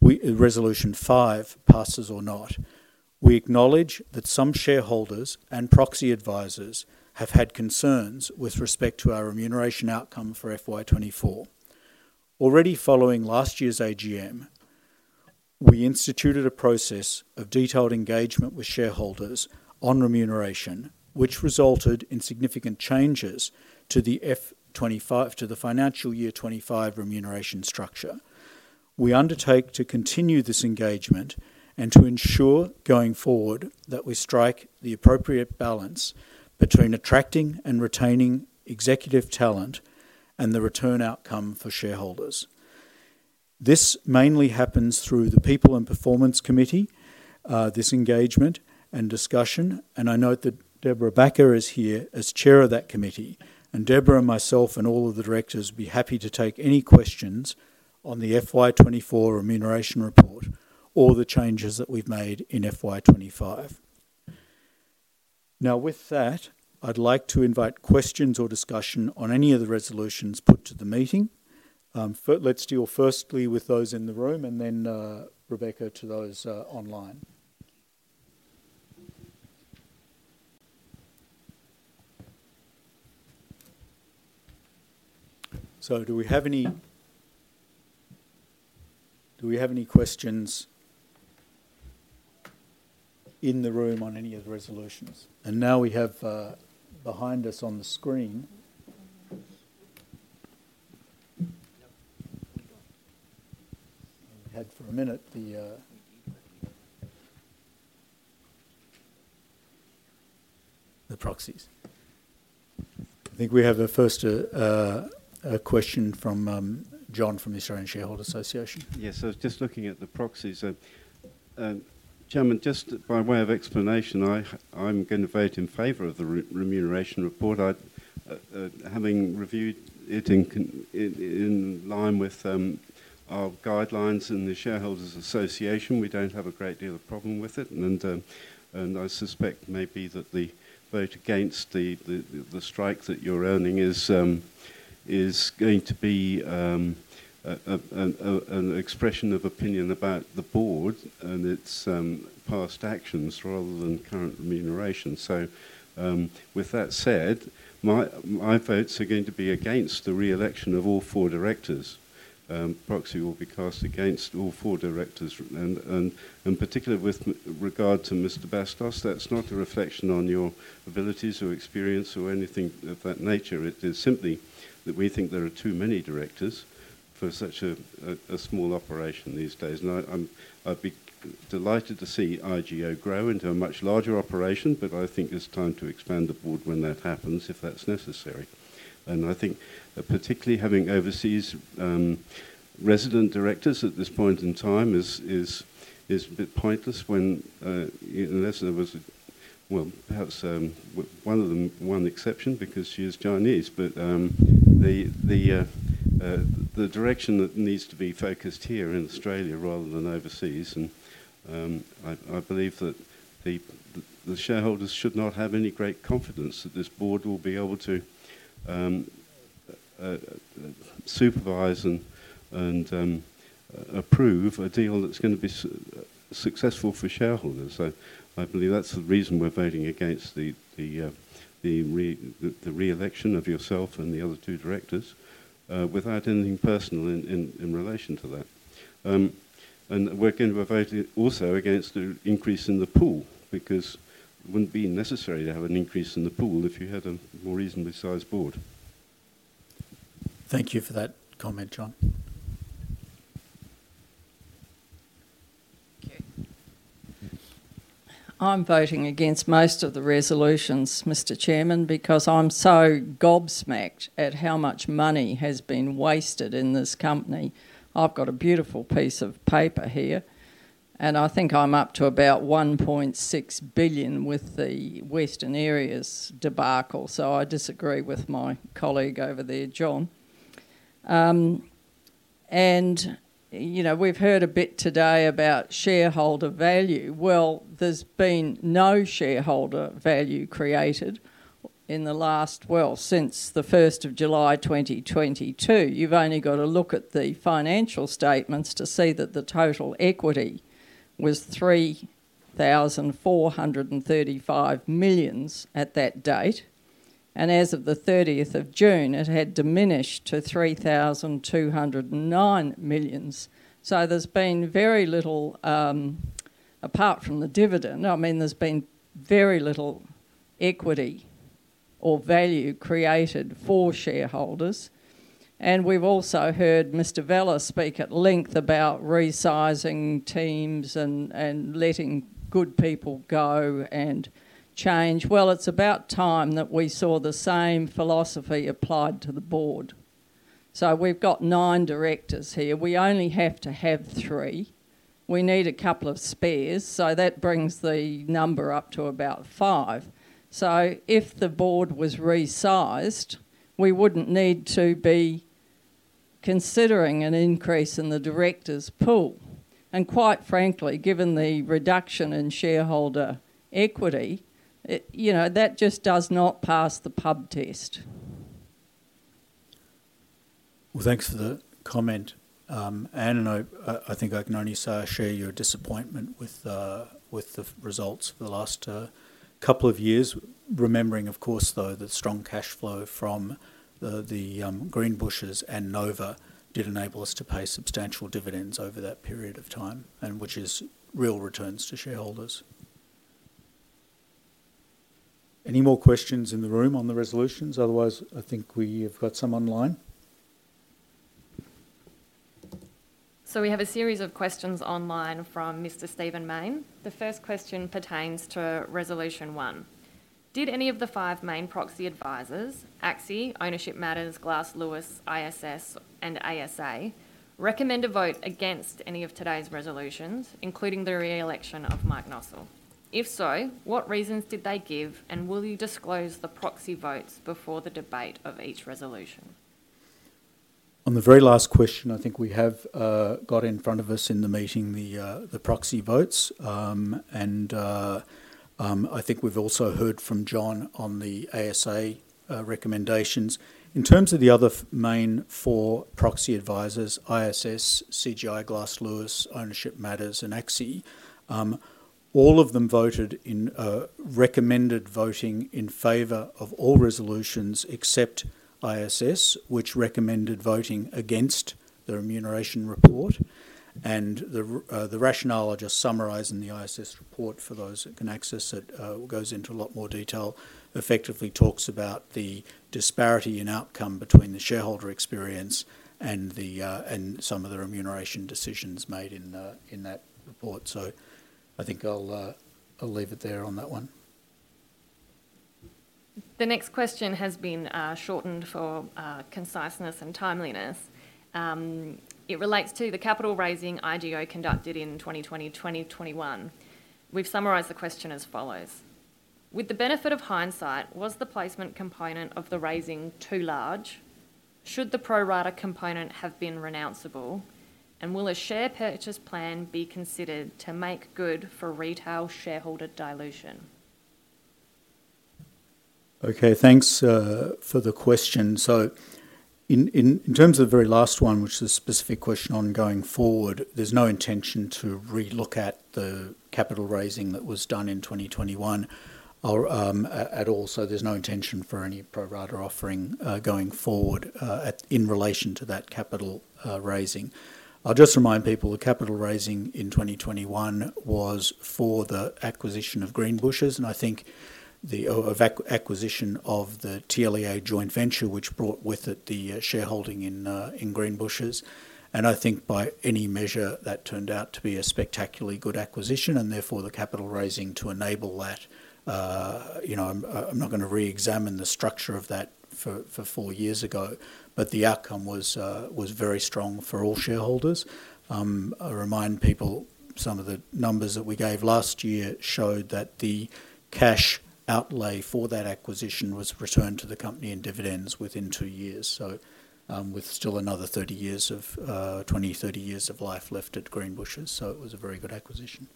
resolution five passes or not, we acknowledge that some shareholders and proxy advisors have had concerns with respect to our remuneration outcome for FY24. Already following last year's AGM, we instituted a process of detailed engagement with shareholders on remuneration, which resulted in significant changes to the financial year 25 remuneration structure. We undertake to continue this engagement and to ensure going forward that we strike the appropriate balance between attracting and retaining executive talent and the return outcome for shareholders. This mainly happens through the People and Performance Committee, this engagement and discussion. I note that Debra Bakker is here as chair of that committee. Debra and myself and all of the directors will be happy to take any questions on the FY24 remuneration report or the changes that we've made in FY25. Now, with that, I'd like to invite questions or discussion on any of the resolutions put to the meeting. Let's deal firstly with those in the room and then Rebecca to those online. So do we have any questions in the room on any of the resolutions? Now we have behind us on the screen. We had for a minute the proxies. I think we have a first question from John from the Australian Shareholders' Association. Yes, so just looking at the proxies. Chairman, just by way of explanation, I'm going to vote in favor of the remuneration report. Having reviewed it in line with our guidelines and the Shareholders Association, we don't have a great deal of problem with it. And I suspect maybe that the vote against the strike that you're earning is going to be an expression of opinion about the board and its past actions rather than current remuneration. So with that said, my votes are going to be against the re-election of all four directors. Proxy will be cast against all four directors. And particularly with regard to Mr. Bastos, that's not a reflection on your abilities or experience or anything of that nature. It is simply that we think there are too many directors for such a small operation these days. And I'd be delighted to see IGO grow into a much larger operation, but I think it's time to expand the board when that happens if that's necessary. And I think particularly having overseas resident directors at this point in time is a bit pointless when unless there was, well, perhaps one exception because she is Chinese, but the direction that needs to be focused here in Australia rather than overseas. I believe that the shareholders should not have any great confidence that this board will be able to supervise and approve a deal that's going to be successful for shareholders. I believe that's the reason we're voting against the re-election of yourself and the other two directors without anything personal in relation to that. And we're going to be voting also against the increase in the pool because it wouldn't be necessary to have an increase in the pool if you had a more reasonably sized board. Thank you for that comment, John. I'm voting against most of the resolutions, Mr. Chairman, because I'm so gobsmacked at how much money has been wasted in this company. I've got a beautiful piece of paper here, and I think I'm up to about 1.6 billion with the Western Areas debacle. So I disagree with my colleague over there, John. And we've heard a bit today about shareholder value. Well, there's been no shareholder value created in the last, well, since the 1st of July 2022. You've only got to look at the financial statements to see that the total equity was 3,435 million at that date. And as of the 30th of June, it had diminished to 3,209 million. So there's been very little apart from the dividend. I mean, there's been very little equity or value created for shareholders. And we've also heard Mr. Vella speak at length about resizing teams and letting good people go and change. Well, it's about time that we saw the same philosophy applied to the board. So we've got nine directors here. We only have to have three. We need a couple of spares. So that brings the number up to about five. So if the board was resized, we wouldn't need to be considering an increase in the directors' pool. And quite frankly, given the reduction in shareholder equity, that just does not pass the pub test. Well, thanks for the comment. And I think I can only share your disappointment with the results for the last couple of years, remembering, of course, though, that strong cash flow from the Greenbushes and Nova did enable us to pay substantial dividends over that period of time, which is real returns to shareholders. Any more questions in the room on the resolutions? Otherwise, I think we have got some online. We have a series of questions online from Mr. Stephen Mayne. The first question pertains to resolution one. Did any of the five main proxy advisors, ACSI, Ownership Matters, Glass Lewis, ISS, and ASA, recommend a vote against any of today's resolutions, including the re-election of Mike Nossal? If so, what reasons did they give, and will you disclose the proxy votes before the debate of each resolution? On the very last question, I think we have got in front of us in the meeting the proxy votes. And I think we've also heard from John on the ASA recommendations. In terms of the other main four proxy advisors, ISS, ACSI, Glass Lewis, Ownership Matters, and ACSI, all of them voted in recommended voting in favour of all resolutions except ISS, which recommended voting against the remuneration report. The rationale I just summarised in the ISS report for those that can access it goes into a lot more detail, effectively talks about the disparity in outcome between the shareholder experience and some of the remuneration decisions made in that report. So I think I'll leave it there on that one. The next question has been shortened for conciseness and timeliness. It relates to the capital raising IGO conducted in 2020-2021. We've summarised the question as follows. With the benefit of hindsight, was the placement component of the raising too large? Should the pro-rata component have been renounceable? And will a share purchase plan be considered to make good for retail shareholder dilution? Okay, thanks for the question. So in terms of the very last one, which is a specific question on going forward, there's no intention to relook at the capital raising that was done in 2021 at all. So there's no intention for any pro-rata offering going forward in relation to that capital raising. I'll just remind people the capital raising in 2021 was for the acquisition of Greenbushes and I think the acquisition of the TLEA joint venture, which brought with it the shareholding in Greenbushes. And I think by any measure that turned out to be a spectacularly good acquisition and therefore the capital raising to enable that. I'm not going to re-examine the structure of that for four years ago, but the outcome was very strong for all shareholders. I remind people, some of the numbers that we gave last year showed that the cash outlay for that acquisition was returned to the company in dividends within two years. So, with still another 20-30 years of life left at Greenbushes. So it was a very good acquisition.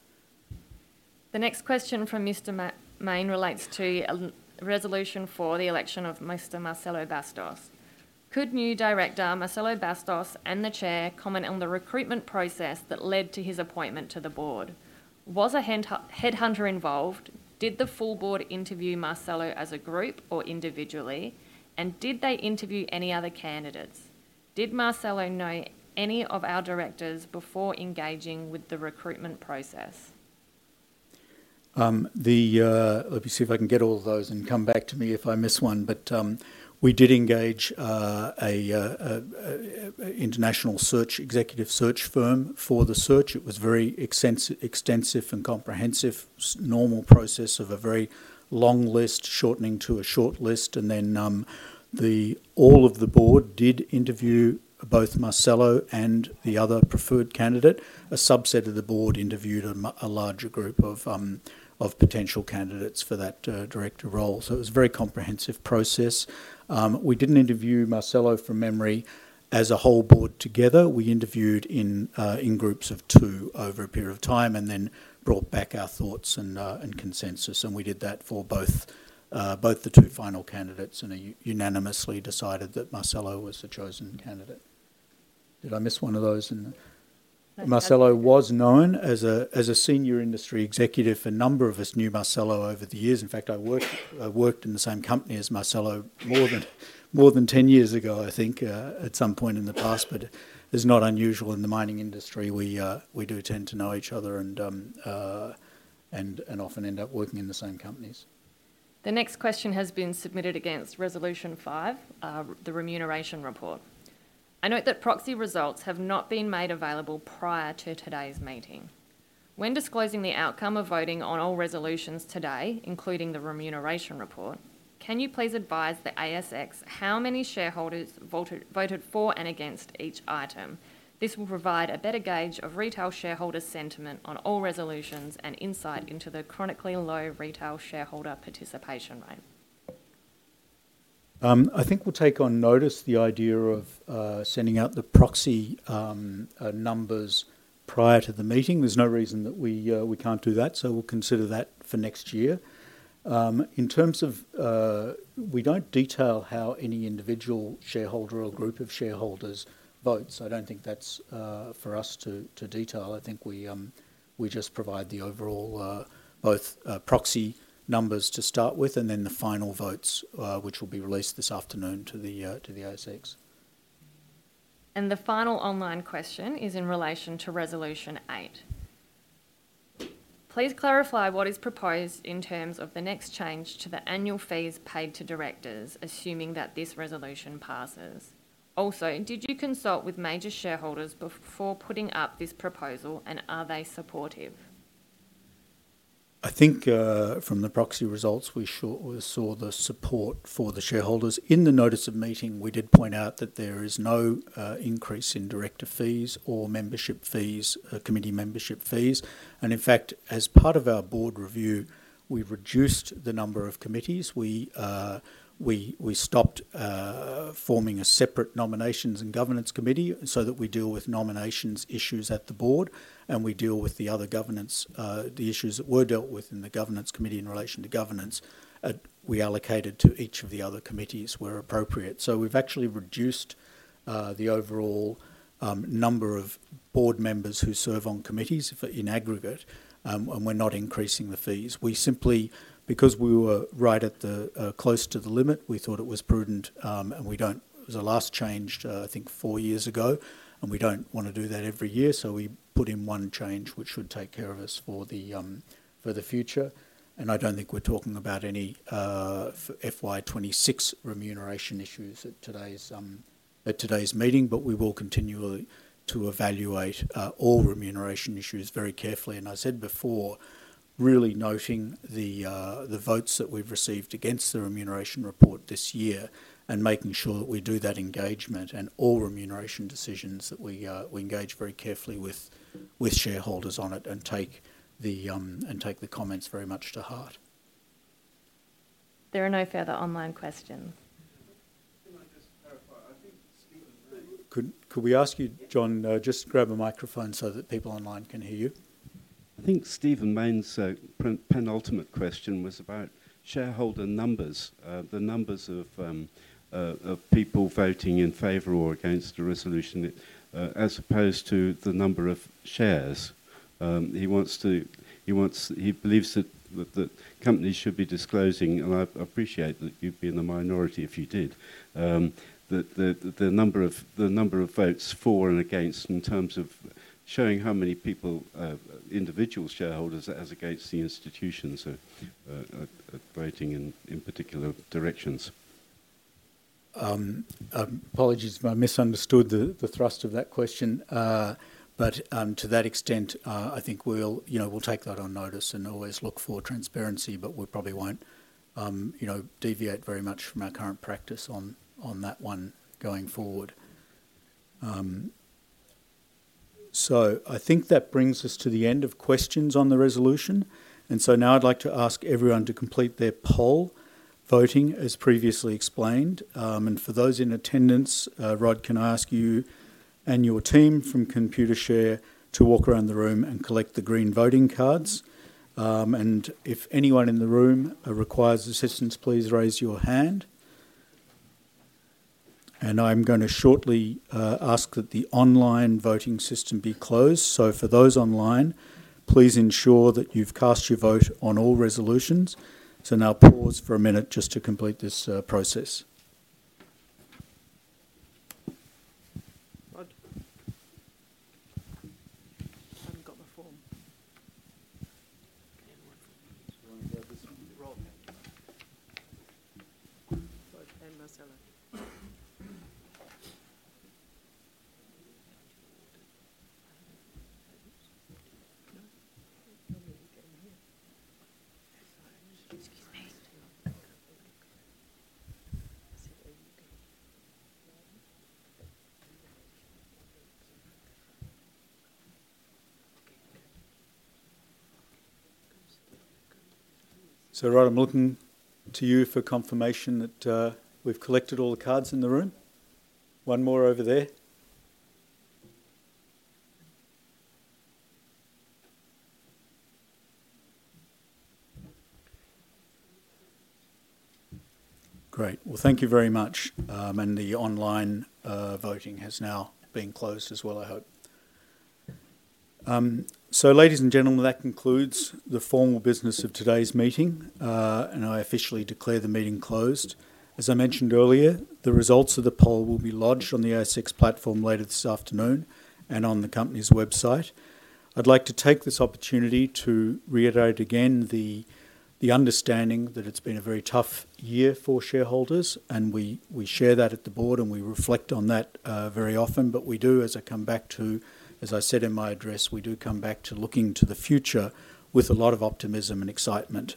The next question from Mr. Main relates to resolution for the election of Mr. Marcelo Bastos. Could new director Marcelo Bastos and the chair comment on the recruitment process that led to his appointment to the board? Was a headhunter involved? Did the full board interview Marcelo as a group or individually? And did they interview any other candidates? Did Marcelo know any of our directors before engaging with the recruitment process? Let me see if I can get all of those and come back to me if I miss one. But we did engage an international executive search firm for the search. It was very extensive and comprehensive, normal process of a very long list shortening to a short list. And then all of the board did interview both Marcelo and the other preferred candidate. A subset of the board interviewed a larger group of potential candidates for that director role. So it was a very comprehensive process. We didn't interview Marcelo from memory as a whole board together. We interviewed in groups of two over a period of time and then brought back our thoughts and consensus. And we did that for both the two final candidates and unanimously decided that Marcelo was the chosen candidate. Did I miss one of those? Marcelo was known as a senior industry executive. A number of us knew Marcelo over the years. In fact, I worked in the same company as Marcelo more than 10 years ago, I think, at some point in the past. But it's not unusual in the mining industry. We do tend to know each other and often end up working in the same companies. The next question has been submitted against resolution five, the remuneration report. I note that proxy results have not been made available prior to today's meeting. When disclosing the outcome of voting on all resolutions today, including the remuneration report, can you please advise the ASX how many shareholders voted for and against each item? This will provide a better gauge of retail shareholder sentiment on all resolutions and insight into the chronically low retail shareholder participation rate. I think we'll take on notice the idea of sending out the proxy numbers prior to the meeting. There's no reason that we can't do that. So we'll consider that for next year. In terms of we don't detail how any individual shareholder or group of shareholders votes. I don't think that's for us to detail. I think we just provide the overall both proxy numbers to start with and then the final votes, which will be released this afternoon to the ASX. And the final online question is in relation to resolution eight. Please clarify what is proposed in terms of the next change to the annual fees paid to directors, assuming that this resolution passes. Also, did you consult with major shareholders before putting up this proposal, and are they supportive? I think from the proxy results, we saw the support for the shareholders. In the notice of meeting, we did point out that there is no increase in director fees or membership fees, committee membership fees. And in fact, as part of our board review, we reduced the number of committees. We stopped forming a separate Nominations and Governance Committee so that we deal with nominations issues at the board and we deal with the other governance, the issues that were dealt with in the Governance Committee in relation to governance. We allocated to each of the other committees where appropriate. So we've actually reduced the overall number of board members who serve on committees in aggregate, and we're not increasing the fees. We simply, because we were right at the close to the limit, we thought it was prudent. And we don't, as a last change, I think four years ago, and we don't want to do that every year. So we put in one change, which should take care of us for the future. And I don't think we're talking about any FY26 remuneration issues at today's meeting, but we will continue to evaluate all remuneration issues very carefully. And I said before, really noting the votes that we've received against the remuneration report this year and making sure that we do that engagement and all remuneration decisions that we engage very carefully with shareholders on it and take the comments very much to heart. There are no further online questions. Can I just clarify? I think Stephen Mayne. Could we ask you, John, just grab a microphone so that people online can hear you? I think Stephen Mayne's penultimate question was about shareholder numbers, the numbers of people voting in favor or against the resolution as opposed to the number of shares. He believes that companies should be disclosing, and I appreciate that you'd be in the minority if you did, the number of votes for and against in terms of showing how many people, individual shareholders, as against the institutions voting in particular directions. Apologies, I misunderstood the thrust of that question. But to that extent, I think we'll take that on notice and always look for transparency, but we probably won't deviate very much from our current practice on that one going forward. So I think that brings us to the end of questions on the resolution. And so now I'd like to ask everyone to complete their poll voting, as previously explained. And for those in attendance, Rod, can I ask you and your team from Computershare to walk around the room and collect the green voting cards? If anyone in the room requires assistance, please raise your hand. And I'm going to shortly ask that the online voting system be closed. So for those online, please ensure that you've cast your vote on all resolutions. So now pause for a minute just to complete this process. Rod? I haven't got the form. So Rod, I'm looking to you for confirmation that we've collected all the cards in the room. One more over there. Great. Well, thank you very much. And the online voting has now been closed as well, I hope. So ladies and gentlemen, that concludes the formal business of today's meeting, and I officially declare the meeting closed. As I mentioned earlier, the results of the poll will be lodged on the ASX platform later this afternoon and on the company's website. I'd like to take this opportunity to reiterate again the understanding that it's been a very tough year for shareholders, and we share that at the board and we reflect on that very often. But we do, as I come back to, as I said in my address, we do come back to looking to the future with a lot of optimism and excitement.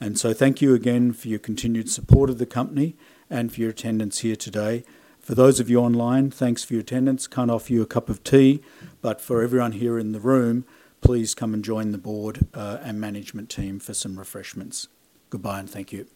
And so thank you again for your continued support of the company and for your attendance here today. For those of you online, thanks for your attendance. Can't offer you a cup of tea, but for everyone here in the room, please come and join the board and management team for some refreshments. Goodbye and thank you.